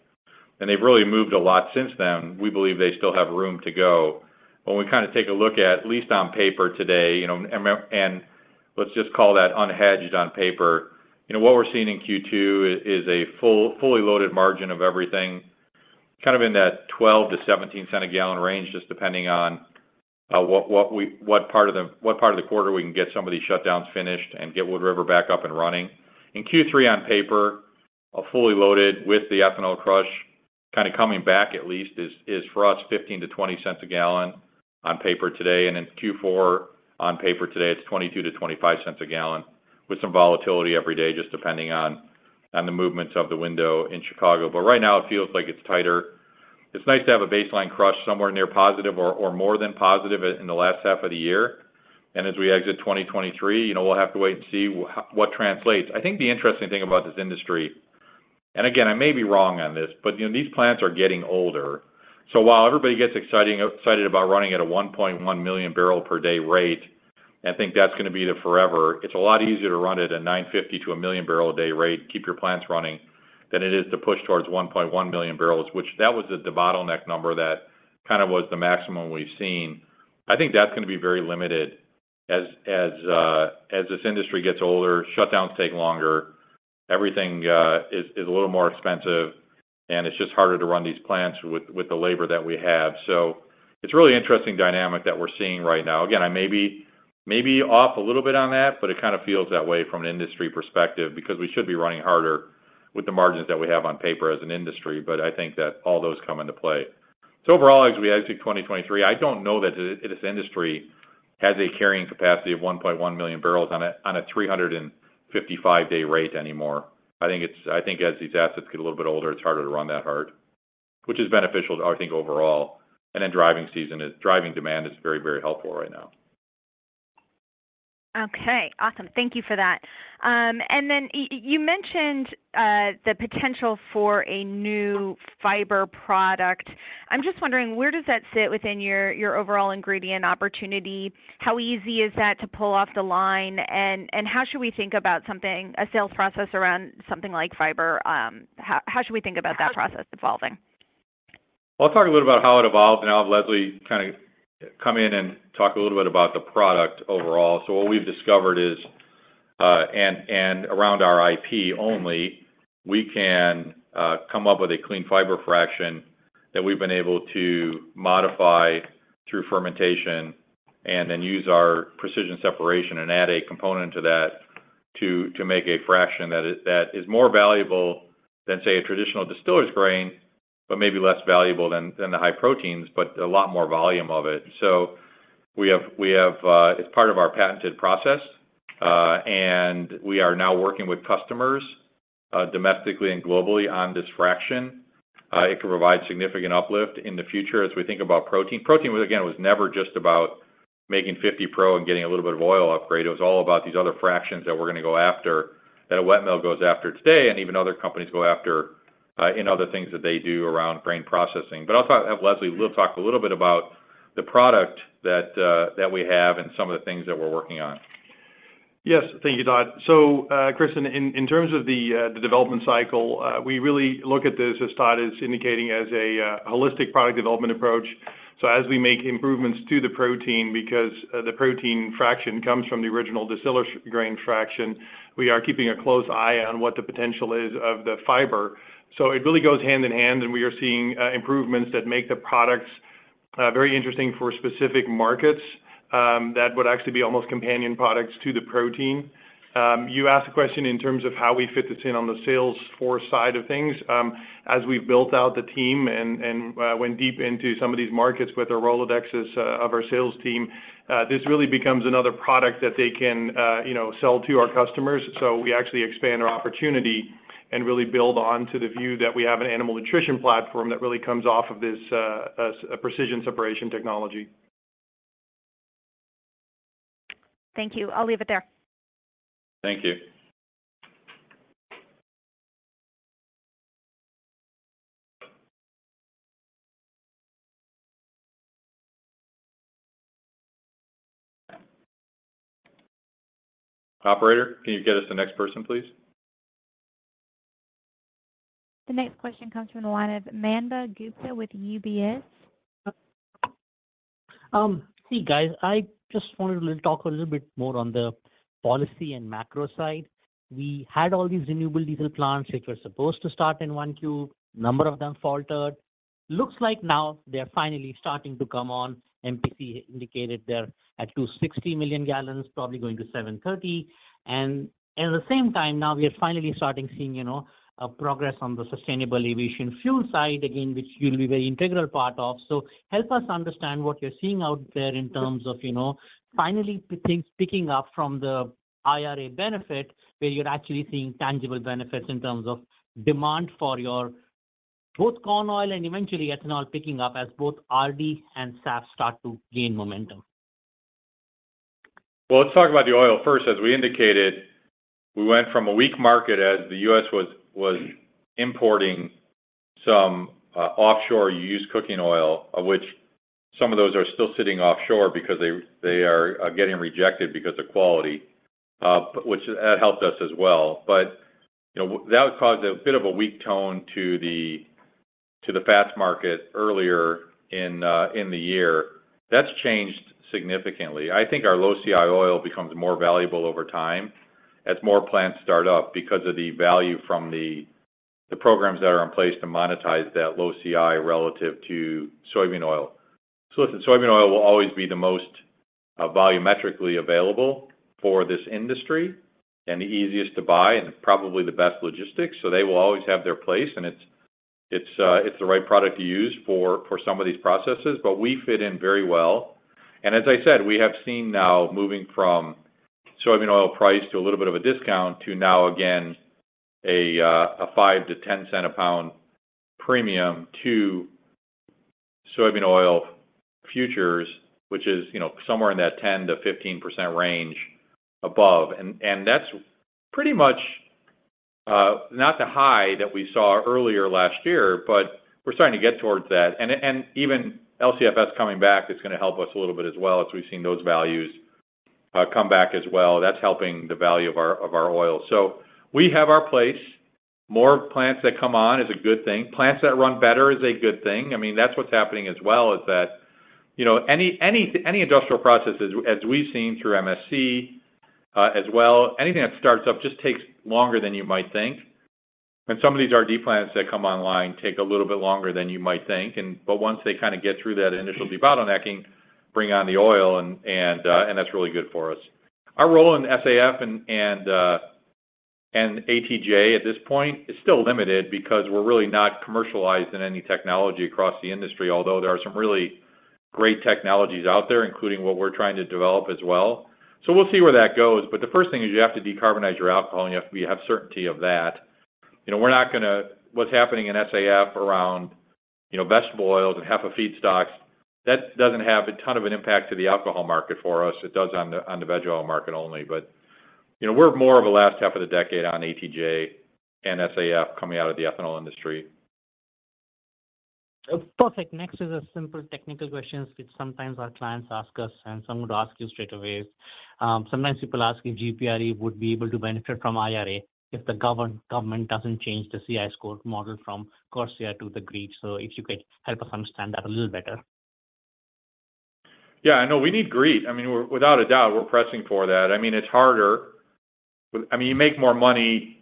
They've really moved a lot since then. We believe they still have room to go. When we kind of take a look at least on paper today, you know, and let's just call that unhedged on paper, you know, what we're seeing in Q2 is a fully loaded margin of everything, kind of in that $0.12-$0.17 a gallon range, just depending on what part of the quarter we can get some of these shutdowns finished and get Wood River back up and running. In Q3 on paper, a fully loaded with the ethanol crush kind of coming back at least is for us $0.15-$0.20 a gallon on paper today. In Q4 on paper today, it's $0.22-$0.25 a gallon with some volatility every day, just depending on the movements of the window in Chicago. Right now it feels like it's tighter. It's nice to have a baseline crush somewhere near positive or more than positive in the last half of the year. As we exit 2023, you know, we'll have to wait and see what translates. I think the interesting thing about this industry, and again, I may be wrong on this, but, you know, these plants are getting older. While everybody gets excited about running at a 1.1 million barrel per day rate, and think that's gonna be there forever, it's a lot easier to run it at 950,000 to one million barrel a day rate, keep your plants running, than it is to push towards 1.1 million barrels, which that was the bottleneck number that kind of was the maximum we've seen. I think that's gonna be very limited as this industry gets older, shutdowns take longer, everything is a little more expensive, and it's just harder to run these plants with the labor that we have. It's a really interesting dynamic that we're seeing right now. Again, I may be off a little bit on that, but it kind of feels that way from an industry perspective because we should be running harder with the margins that we have on paper as an industry. I think that all those come into play. Overall, as we exit 2023, I don't know that this industry has a carrying capacity of 1.1 million barrels on a 355 day rate anymore. I think as these assets get a little bit older, it's harder to run that hard, which is beneficial, I think, overall. Then driving demand is very, very helpful right now. Okay. Awesome. Thank you for that. You mentioned the potential for a new fiber product. I'm just wondering, where does that sit within your overall ingredient opportunity? How easy is that to pull off the line? How should we think about something, a sales process around something like fiber? How should we think about that process evolving? I'll talk a little about how it evolved, and I'll have Leslie kind of come in and talk a little bit about the product overall. What we've discovered is, and around our IP only, we can come up with a clean fiber fraction that we've been able to modify through fermentation and then use our precision separation and add a component to that to make a fraction that is more valuable than, say, a traditional distiller's grain, but maybe less valuable than the high proteins, but a lot more volume of it. It's part of our patented process, and we are now working with customers domestically and globally on this fraction. It can provide significant uplift in the future as we think about protein. Protein was, again, was never just about making 50 Pro and getting a little bit of oil upgrade. It was all about these other fractions that we're gonna go after, that a wet mill goes after today, and even other companies go after in other things that they do around grain processing. Have Leslie talk a little bit about the product that we have and some of the things that we're working on. Yes. Thank you, Todd. Kristen, in terms of the development cycle, we really look at this, as Todd is indicating, as a holistic product development approach. As we make improvements to the protein, because the protein fraction comes from the original distiller grain fraction, we are keeping a close eye on what the potential is of the fiber. It really goes hand in hand, and we are seeing improvements that make the products very interesting for specific markets, that would actually be almost companion products to the protein. You asked a question in terms of how we fit this in on the sales force side of things. As we've built out the team and went deep into some of these markets with our Rolodexes of our sales team, this really becomes another product that they can, you know, sell to our customers. We actually expand our opportunity and really build on to the view that we have an animal nutrition platform that really comes off of this a precision separation technology. Thank you. I'll leave it there. Thank you. Operator, can you get us the next person, please? The next question comes from the line of Manav Gupta with UBS. See guys, I just wanted to talk a little bit more on the policy and macro side. We had all these renewable diesel plants, which were supposed to start in one queue. A number of them faltered. Looks like now they're finally starting to come on. MPC indicated they're at 260 million gallons, probably going to 730. At the same time now we are finally starting seeing, you know, progress on the sustainable aviation fuel side again, which you'll be very integral part of. Help us understand what you're seeing out there in terms of, you know, finally things picking up from the IRA benefit, where you're actually seeing tangible benefits in terms of demand for your both corn oil and eventually ethanol picking up as both RD and SAF start to gain momentum. Well, let's talk about the oil first. As we indicated, we went from a weak market as the U.S. was importing some offshore used cooking oil, of which some of those are still sitting offshore because they are getting rejected because of quality, which that helped us as well. You know, that caused a bit of a weak tone to the fats market earlier in the year. That's changed significantly. I think our low CI oil becomes more valuable over time as more plants start up because of the value from the programs that are in place to monetize that low CI relative to soybean oil. Listen, soybean oil will always be the most volumetrically available for this industry and the easiest to buy and probably the best logistics. They will always have their place, and it's the right product to use for some of these processes. We fit in very well. As I said, we have seen now moving from soybean oil price to a little bit of a discount to now again, a $0.05-$0.10 a pound premium to soybean oil futures, which is, you know, somewhere in that 10%-15% range above. That's pretty much not the high that we saw earlier last year, but we're starting to get towards that. Even LCFS coming back is going to help us a little bit as well, as we've seen those values come back as well. That's helping the value of our oil. We have our place. More plants that come on is a good thing. Plants that run better is a good thing. I mean, that's what's happening as well, is that, you know, any industrial processes, as we've seen through MSC, as well, anything that starts up just takes longer than you might think. Some of these RD plants that come online take a little bit longer than you might think. But once they kind of get through that initial bottlenecking, bring on the oil and that's really good for us. Our role in SAF and ATJ at this point is still limited because we're really not commercialized in any technology across the industry, although there are some really great technologies out there, including what we're trying to develop as well. We'll see where that goes. The first thing is you have to decarbonize your alcohol, and you have to have certainty of that. You know, we're not gonna. What's happening in SAF around, you know, vegetable oils and HEFA feedstocks, that doesn't have a ton of an impact to the alcohol market for us. It does on the veg oil market only. You know, we're more of a last half of the decade on ATJ and SAF coming out of the ethanol industry. Perfect. Next is a simple technical question, which sometimes our clients ask us. I'm going to ask you straight away. Sometimes people ask if GPRE would be able to benefit from IRA if the government doesn't change the CI score model from CORSIA to the GREET. If you could help us understand that a little better. Yeah, no, we need GREET. I mean, without a doubt, we're pressing for that. I mean, it's harder. I mean, you make more money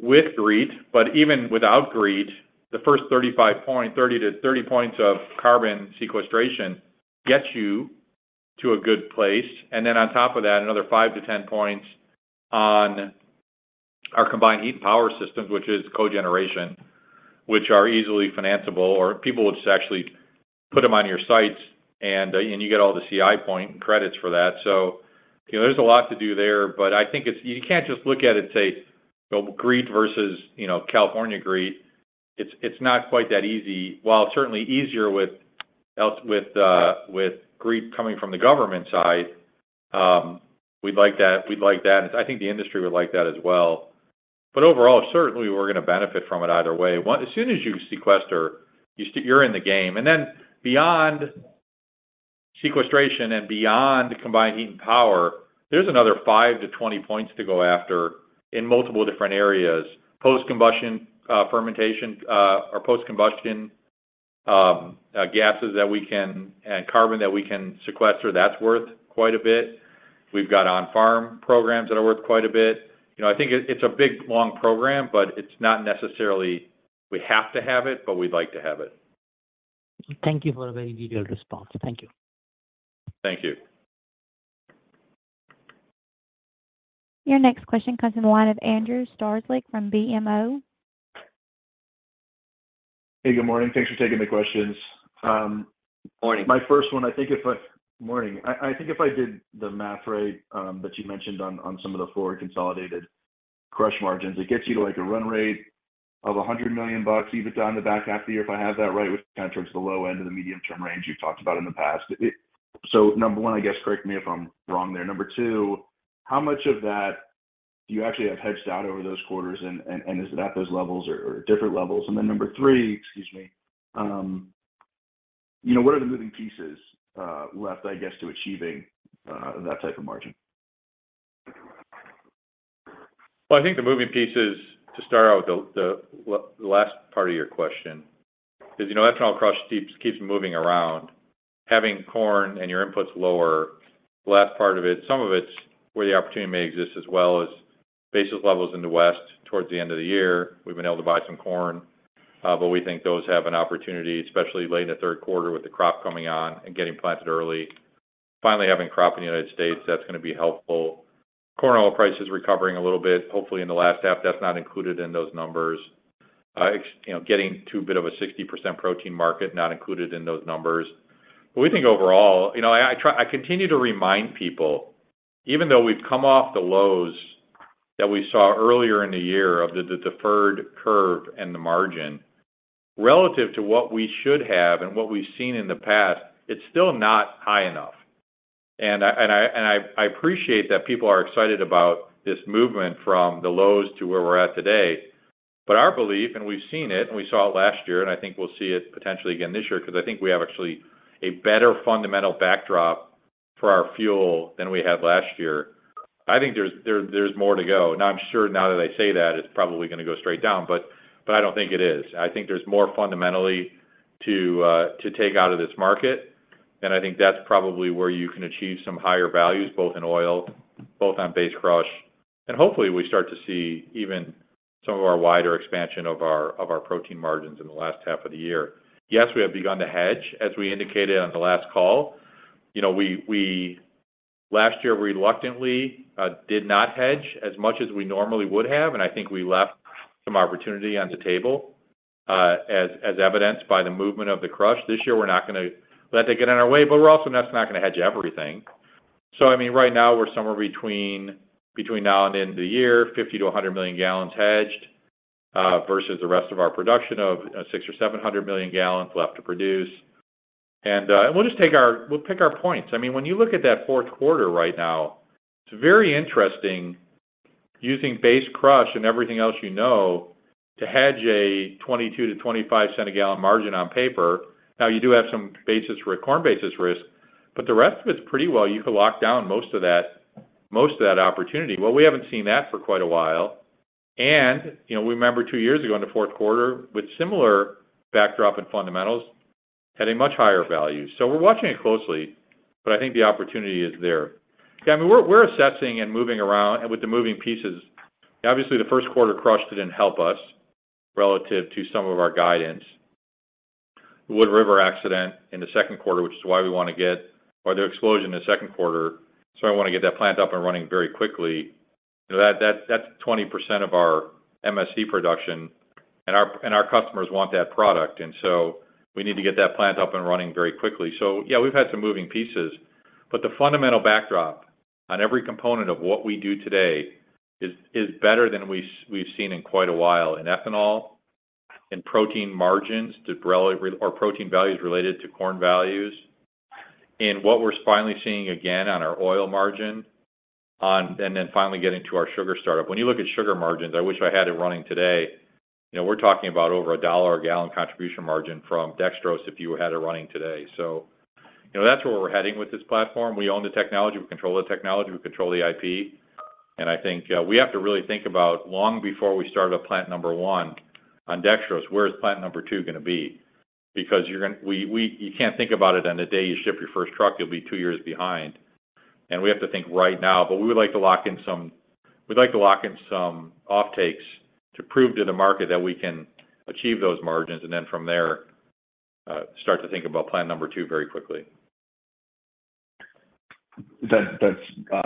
with GREET, but even without GREET, the first 35 point, 30 to 30 points of carbon sequestration gets you to a good place. On top of that, another 5-10 points on our combined heat power systems, which is cogeneration, which are easily financeable, or people would actually put them on your sites and you get all the CI point credits for that. You know, there's a lot to do there, but I think you can't just look at it and say, well, GREET versus, you know, California GREET. It's not quite that easy. While it's certainly easier with, with GREET coming from the government side, we'd like that. We'd like that. I think the industry would like that as well. Overall, certainly we're gonna benefit from it either way. As soon as you sequester, you're in the game. Then beyond sequestration and beyond combined heat and power, there's another 5-20 points to go after in multiple different areas. Post-combustion, fermentation, or post-combustion, gases that we can and carbon that we can sequester, that's worth quite a bit. We've got on-farm programs that are worth quite a bit. You know, I think it's a big, long program, but it's not necessarily we have to have it, but we'd like to have it. Thank you for a very detailed response. Thank you. Thank you. Your next question comes from the line of Andrew Strelzik from BMO. Hey, good morning. Thanks for taking the questions. Morning. My first one. Morning. I think if I did the math right, that you mentioned on some of the forward consolidated Crush margins. It gets you to like a run rate of $100 million EBITDA in the back half of the year, if I have that right, which is kind of towards the low end of the medium-term range you've talked about in the past. Number one, I guess, correct me if I'm wrong there. Number two, how much of that do you actually have hedged out over those quarters? Is it at those levels or different levels? Number three, excuse me, you know, what are the moving pieces left, I guess, to achieving that type of margin? Well, I think the moving pieces, to start out with the last part of your question, 'cause, you know, ethanol crush keeps moving around. Having corn and your inputs lower, the last part of it, some of it's where the opportunity may exist as well is basis levels in the West towards the end of the year. We've been able to buy some corn, but we think those have an opportunity, especially late in the third quarter with the crop coming on and getting planted early. Finally having crop in the United States, that's gonna be helpful. Corn oil prices recovering a little bit, hopefully in the last half. That's not included in those numbers. You know, getting to a bit of a 60% protein market, not included in those numbers. We think overall, you know, I continue to remind people, even though we've come off the lows that we saw earlier in the year of the deferred curve and the margin, relative to what we should have and what we've seen in the past, it's still not high enough. I appreciate that people are excited about this movement from the lows to where we're at today. Our belief, and we've seen it, and we saw it last year, and I think we'll see it potentially again this year, 'cause I think we have actually a better fundamental backdrop for our fuel than we had last year. I think there's more to go. I'm sure now that I say that, it's probably gonna go straight down, but I don't think it is. I think there's more fundamentally to take out of this market. I think that's probably where you can achieve some higher values, both in oil, both on base crush. Hopefully we start to see even some of our wider expansion of our protein margins in the last half of the year. Yes, we have begun to hedge, as we indicated on the last call. You know, we last year reluctantly did not hedge as much as we normally would have, and I think we left some opportunity on the table, as evidenced by the movement of the crush. This year, we're not gonna let that get in our way, but we're also not gonna hedge everything. I mean, right now we're somewhere between now and the end of the year, 50-100 million gallons hedged versus the rest of our production of 600-700 million gallons left to produce. We'll just pick our points. I mean, when you look at that fourth quarter right now, it's very interesting using base crush and everything else you know to hedge a 22-25 cent a gallon margin on paper. Now you do have some corn basis risk, but the rest of it's pretty well you could lock down most of that opportunity. Well, we haven't seen that for quite a while. You know, we remember two years ago in the fourth quarter with similar backdrop and fundamentals had a much higher value. We're watching it closely, but I think the opportunity is there. We're assessing and moving around with the moving pieces. Obviously, the first quarter crush didn't help us relative to some of our guidance. The Wood River explosion in the second quarter, which is why we want to get that plant up and running very quickly. That's 20% of our MSC production and our customers want that product. We need to get that plant up and running very quickly. We've had some moving pieces. The fundamental backdrop on every component of what we do today is better than we've seen in quite a while in ethanol, in protein margins or protein values related to corn values, in what we're finally seeing again on our oil margin and then finally getting to our sugar startup. When you look at sugar margins, I wish I had it running today. You know, we're talking about over $1 a gallon contribution margin from dextrose if you had it running today. You know, that's where we're heading with this platform. We own the technology. We control the technology. We control the IP. I think, we have to really think about long before we start up plant number 1 on dextrose, where is plant number 2 gonna be? You can't think about it on the day you ship your first truck, you'll be two years behind. We have to think right now. We would like to lock in some offtakes to prove to the market that we can achieve those margins, then from there, start to think about plant number 2 very quickly. That's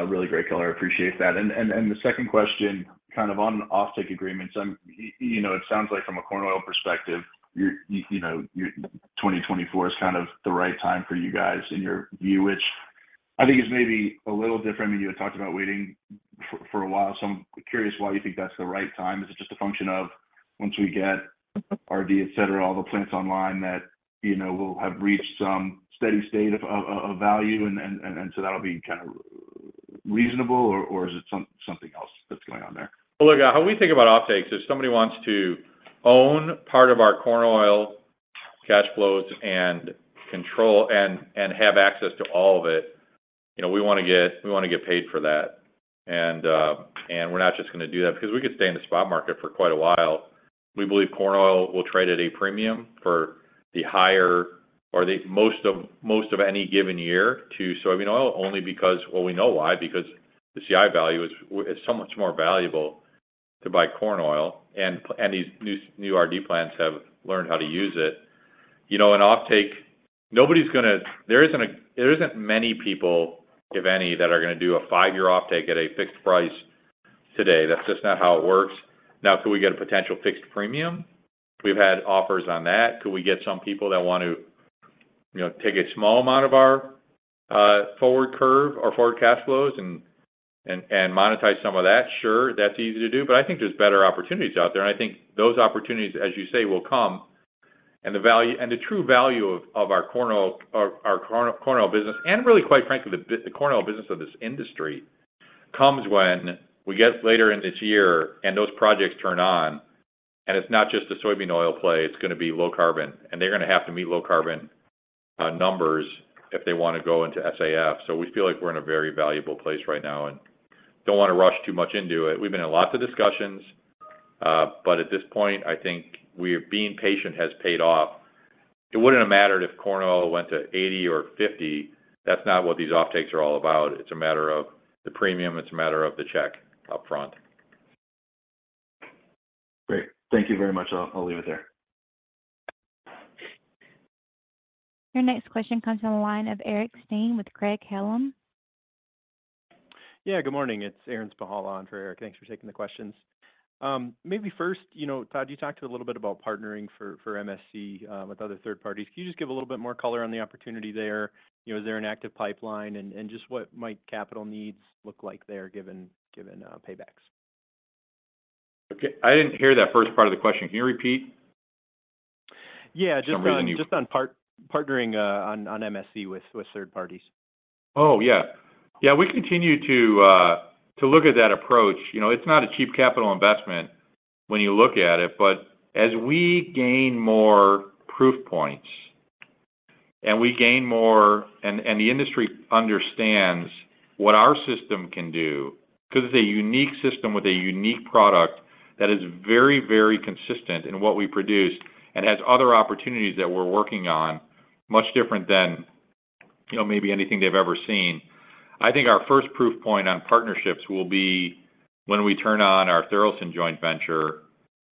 really great color. I appreciate that. The second question kind of on offtake agreements. You know, it sounds like from a corn oil perspective, you know, 2024 is kind of the right time for you guys in your view, which I think is maybe a little different than you had talked about waiting for a while. I'm curious why you think that's the right time. Is it just a function of once we get RD, et cetera, all the plants online that, you know, we'll have reached some steady state of value and so that'll be kind of reasonable? Or is it something else that's going on there? Look, how we think about offtakes, if somebody wants to own part of our corn oil cash flows and control and have access to all of it, you know, we wanna get, we wanna get paid for that. We're not just gonna do that because we could stay in the spot market for quite a while. We believe corn oil will trade at a premium for the higher or the most of any given year to soybean oil only because, well, we know why, because the CI value is so much more valuable to buy corn oil. These new RD plants have learned how to use it. You know, an offtake, nobody's gonna there isn't many people, if any, that are gonna do a five-year offtake at a fixed price today. That's just not how it works. Now, could we get a potential fixed premium? We've had offers on that. Could we get some people that want to, you know, take a small amount of our forward curve or forward cash flows and monetize some of that. Sure, that's easy to do, but I think there's better opportunities out there. I think those opportunities, as you say, will come, and the true value of our corn oil, our corn oil business, and really, quite frankly, the corn oil business of this industry comes when we get later in this year and those projects turn on, and it's not just a soybean oil play, it's gonna be low carbon. They're gonna have to meet low carbon numbers if they wanna go into SAF. We feel like we're in a very valuable place right now and don't wanna rush too much into it. We've been in lots of discussions, but at this point, I think being patient has paid off. It wouldn't have mattered if corn oil went to 80 or 50. That's not what these offtakes are all about. It's a matter of the premium. It's a matter of the check up front. Great. Thank you very much. I'll leave it there. Your next question comes from the line of Aaron Spychalla with Craig-Hallum. Yeah. Good morning. It's Aaron Spychalla on for Eric Stine. Thanks for taking the questions. Maybe first, you know, Todd, you talked a little bit about partnering for MSC with other third parties. Can you just give a little bit more color on the opportunity there? You know, is there an active pipeline and just what might capital needs look like there given paybacks? Okay. I didn't hear that first part of the question. Can you repeat? Yeah. Just on- For some reason. Just on partnering on MSC with third parties. Oh, yeah. Yeah, we continue to look at that approach. You know, it's not a cheap capital investment when you look at it. As we gain more proof points and we gain more and the industry understands what our system can do, because it's a unique system with a unique product that is very, very consistent in what we produce and has other opportunities that we're working on much different than, you know, maybe anything they've ever seen. I think our first proof point on partnerships will be when we turn on our Tharaldson Ethanol joint venture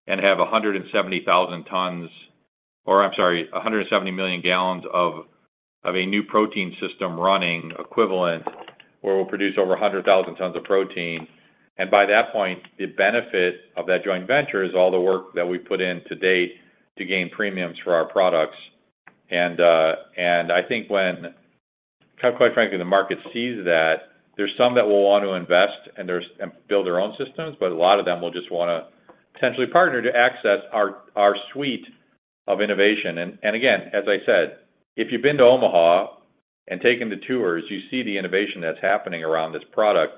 and have 170,000 tons or I'm sorry, 170 million gallons of a new protein system running equivalent, where we'll produce over 100,000 tons of protein. By that point, the benefit of that joint venture is all the work that we put in to date to gain premiums for our products. I think when, quite frankly, the market sees that, there's some that will want to invest and build their own systems, but a lot of them will just wanna potentially partner to access our suite of innovation. Again, as I said, if you've been to Omaha and taken the tours, you see the innovation that's happening around this product.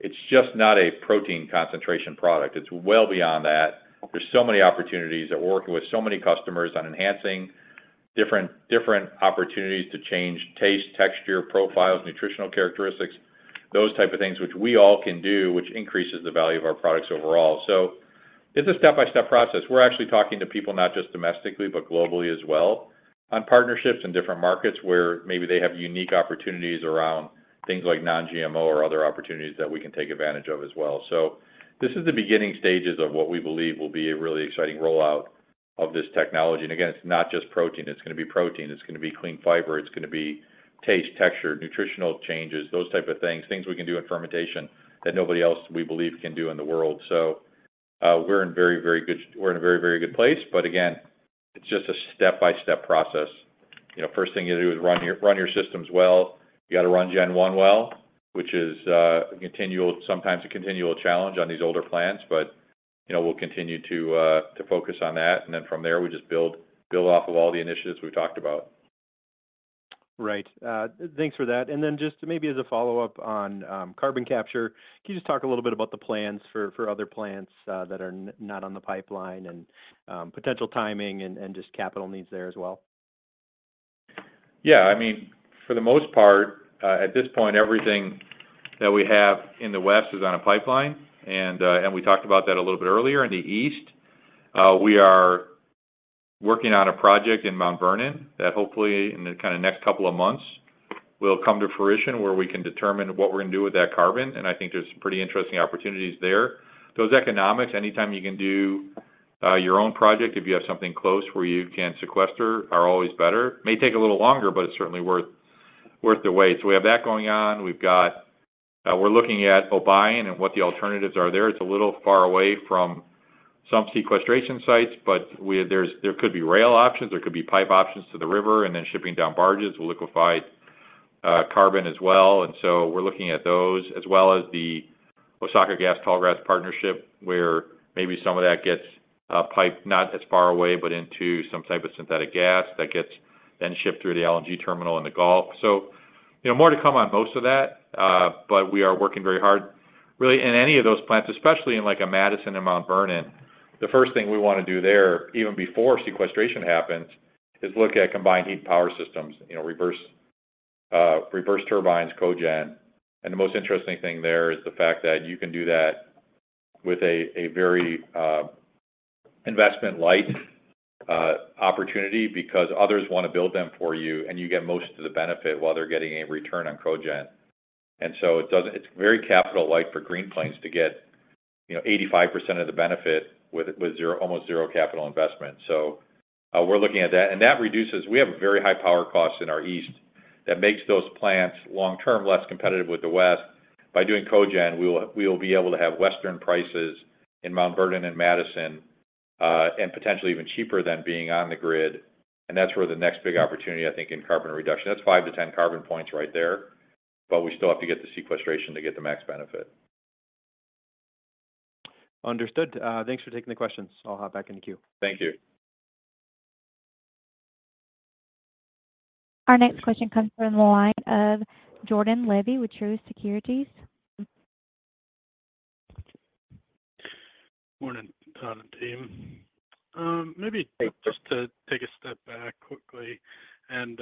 It's just not a protein concentration product. It's well beyond that. There's so many opportunities that we're working with so many customers on enhancing different opportunities to change taste, texture, profiles, nutritional characteristics, those type of things which we all can do, which increases the value of our products overall. It's a step-by-step process. We're actually talking to people not just domestically, but globally as well on partnerships in different markets where maybe they have unique opportunities around things like non-GMO or other opportunities that we can take advantage of as well. This is the beginning stages of what we believe will be a really exciting rollout of this technology. Again, it's not just protein. It's gonna be protein, it's gonna be clean fiber, it's gonna be taste, texture, nutritional changes, those type of things we can do in fermentation that nobody else, we believe, can do in the world. We're in a very, very good place, but again, it's just a step-by-step process. You know, first thing you do is run your systems well. You gotta run Gen 1 well, which is, sometimes a continual challenge on these older plants. You know, we'll continue to focus on that. Then from there, we just build off of all the initiatives we talked about. Right. Thanks for that. Just maybe as a follow-up on carbon capture, can you just talk a little bit about the plans for other plants that are not on the pipeline and potential timing and just capital needs there as well? Yeah. I mean, for the most part, at this point, everything that we have in the West is on a pipeline. We talked about that a little bit earlier. In the East, we are working on a project in Mount Vernon that hopefully in the kind of next couple of months will come to fruition where we can determine what we are going to do with that carbon. I think there's some pretty interesting opportunities there. Those economics, anytime you can do your own project, if you have something close where you can sequester, are always better. May take a little longer, but it's certainly worth the wait. We have that going on. We are looking at Obion and what the alternatives are there. It's a little far away from some sequestration sites, but there could be rail options, there could be pipe options to the river, and then shipping down barges with liquefied carbon as well. We're looking at those as well as the Osaka Gas Tallgrass partnership, where maybe some of that gets piped not as far away, but into some type of synthetic gas that gets then shipped through the LNG terminal in the Gulf. You know, more to come on most of that, but we are working very hard really in any of those plants, especially in like a Madison and Mount Vernon. The first thing we want to do there, even before sequestration happens, is look at combined heat power systems, you know, reverse turbines, cogen. The most interesting thing there is the fact that you can do that with a very investment light opportunity because others wanna build them for you, and you get most of the benefit while they're getting a return on cogen. It's very capital light for Green Plains to get, you know, 85% of the benefit with almost zero capital investment. We're looking at that. That reduces. We have very high power costs in our east that makes those plants long term less competitive with the west. By doing cogen, we will be able to have western prices in Mount Vernon and Madison, and potentially even cheaper than being on the grid. That's where the next big opportunity, I think, in carbon reduction. That's 5-10 carbon points right there. We still have to get the sequestration to get the max benefit. Understood. Thanks for taking the questions. I'll hop back in the queue. Thank you. Our next question comes from the line of Jordan Levy with Truist Securities. Morning, Todd and team. Maybe just to take a step back quickly and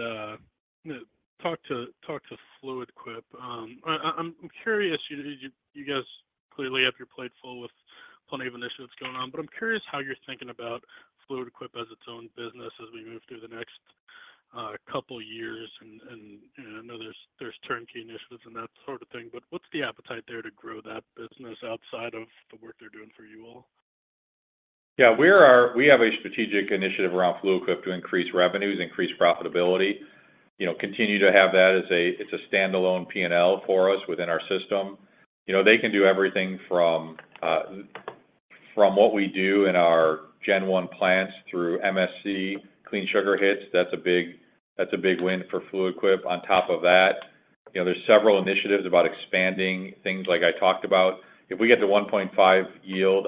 talk to Fluid Quip. I'm curious, you guys clearly have your plate full with plenty of initiatives going on, but I'm curious how you're thinking about Fluid Quip as its own business as we move through the next couple years. I know there's turnkey initiatives and that sort of thing, but what's the appetite there to grow that business outside of the work they're doing for you all? Yeah, we have a strategic initiative around Fluid Quip to increase revenues, increase profitability, you know, continue to have that as a. It's a standalone P&L for us within our system. You know, they can do everything from what we do in our Gen 1 plants through MSC clean sugar hits. That's a big win for Fluid Quip. On top of that, you know, there's several initiatives about expanding things like I talked about. If we get to 1.5 yield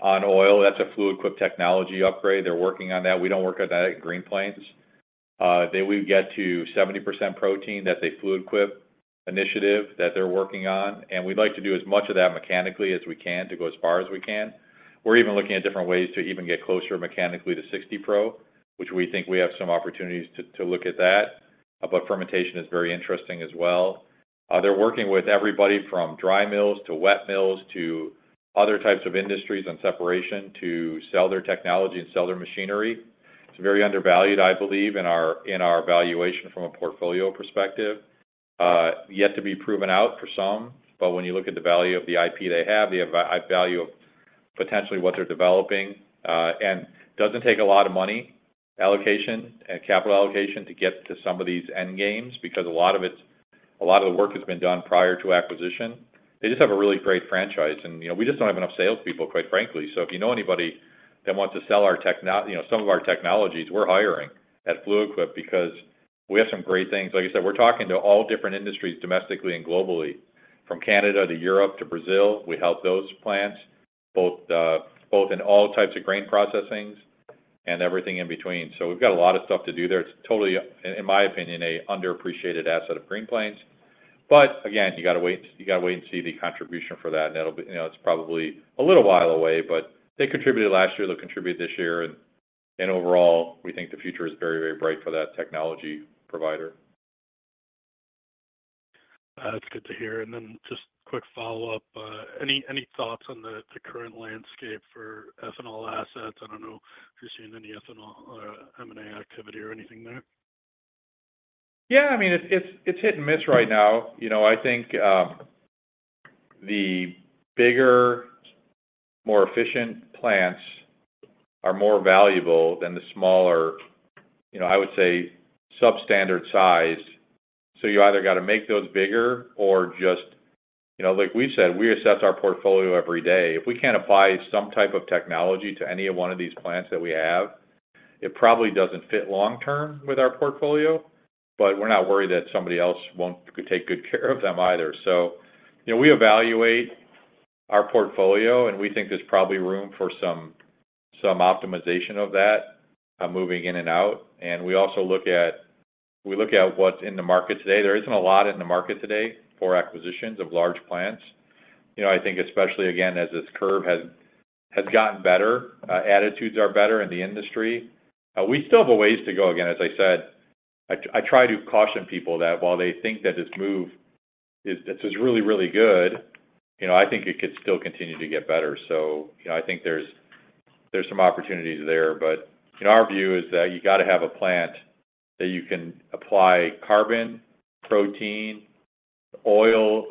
on oil, that's a Fluid Quip technology upgrade. They're working on that. We don't work on that at Green Plains. We get to 70% protein. That's a Fluid Quip initiative that they're working on, and we'd like to do as much of that mechanically as we can to go as far as we can. We're even looking at different ways to even get closer mechanically to 60 Pro, which we think we have some opportunities to look at that. Fermentation is very interesting as well. They're working with everybody from dry mills to wet mills to other types of industries and separation to sell their technology and sell their machinery. It's very undervalued, I believe, in our valuation from a portfolio perspective. Yet to be proven out for some. When you look at the value of the IP they have, the value of potentially what they're developing, and doesn't take a lot of money allocation and capital allocation to get to some of these end games, because a lot of the work has been done prior to acquisition. They just have a really great franchise. You know, we just don't have enough salespeople, quite frankly. If you know anybody that wants to sell our you know, some of our technologies, we're hiring at Fluid Quip because we have some great things. Like I said, we're talking to all different industries domestically and globally, from Canada to Europe to Brazil. We help those plants both in all types of grain processings and everything in between. We've got a lot of stuff to do there. It's totally, in my opinion, an underappreciated asset of Green Plains. Again, you gotta wait and see the contribution for that. That'll be. You know, it's probably a little while away, but they contributed last year, they'll contribute this year. Overall, we think the future is very, very bright for that technology provider. That's good to hear. Just quick follow-up. Any, any thoughts on the current landscape for ethanol assets? I don't know if you're seeing any ethanol M&A activity or anything there. Yeah, I mean, it's hit and miss right now. You know, I think, the bigger, more efficient plants are more valuable than the smaller, you know, I would say substandard size. You either got to make those bigger or just, you know, like we said, we assess our portfolio every day. If we can't apply some type of technology to any one of these plants that we have, it probably doesn't fit long term with our portfolio. We're not worried that somebody else won't take good care of them either. You know, we evaluate our portfolio, and we think there's probably room for some optimization of that, moving in and out. We also look at what's in the market today. There isn't a lot in the market today for acquisitions of large plants. You know, I think especially again, as this curve has gotten better, attitudes are better in the industry. We still have a ways to go. Again, as I said, I try to caution people that while they think that this move is really, really good, you know, I think it could still continue to get better. You know, I think there's some opportunities there. In our view is that you gotta have a plant that you can apply carbon, protein, oil,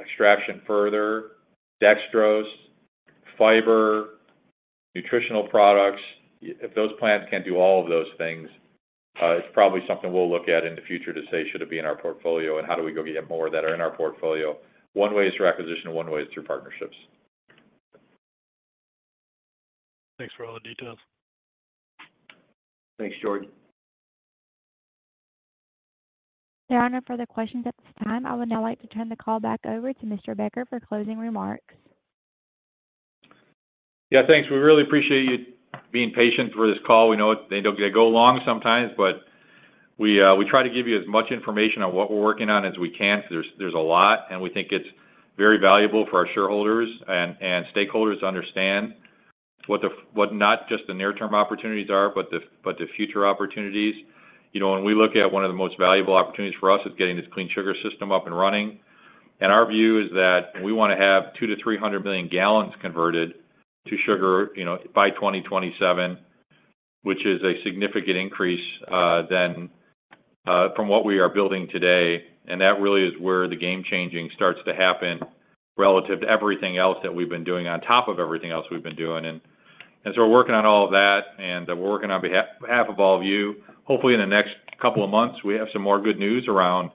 extraction further, dextrose, fiber, nutritional products. If those plants can do all of those things, it's probably something we'll look at in the future to say, should it be in our portfolio and how do we go get more that are in our portfolio? One way is through acquisition, one way is through partnerships. Thanks for all the details. Thanks, Jordan. There are no further questions at this time. I would now like to turn the call back over to Mr. Becker for closing remarks. Yeah, thanks. We really appreciate you being patient through this call. We know they go long sometimes, but we try to give you as much information on what we're working on as we can. There's a lot, and we think it's very valuable for our shareholders and stakeholders to understand what not just the near term opportunities are, but the future opportunities. You know, when we look at one of the most valuable opportunities for us is getting this clean sugar system up and running. Our view is that we wanna have 200-300 million gallons converted to sugar, you know, by 2027, which is a significant increase than from what we are building today. That really is where the game changing starts to happen relative to everything else that we've been doing on top of everything else we've been doing. We're working on all of that, and we're working on behalf of all of you. Hopefully, in the next couple of months, we have some more good news around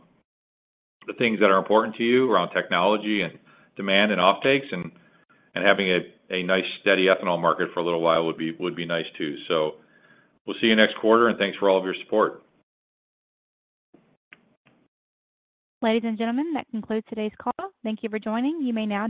the things that are important to you, around technology and demand and offtakes, and having a nice steady ethanol market for a little while would be nice too. We'll see you next quarter, and thanks for all of your support. Ladies and gentlemen, that concludes today's call. Thank you for joining. You may now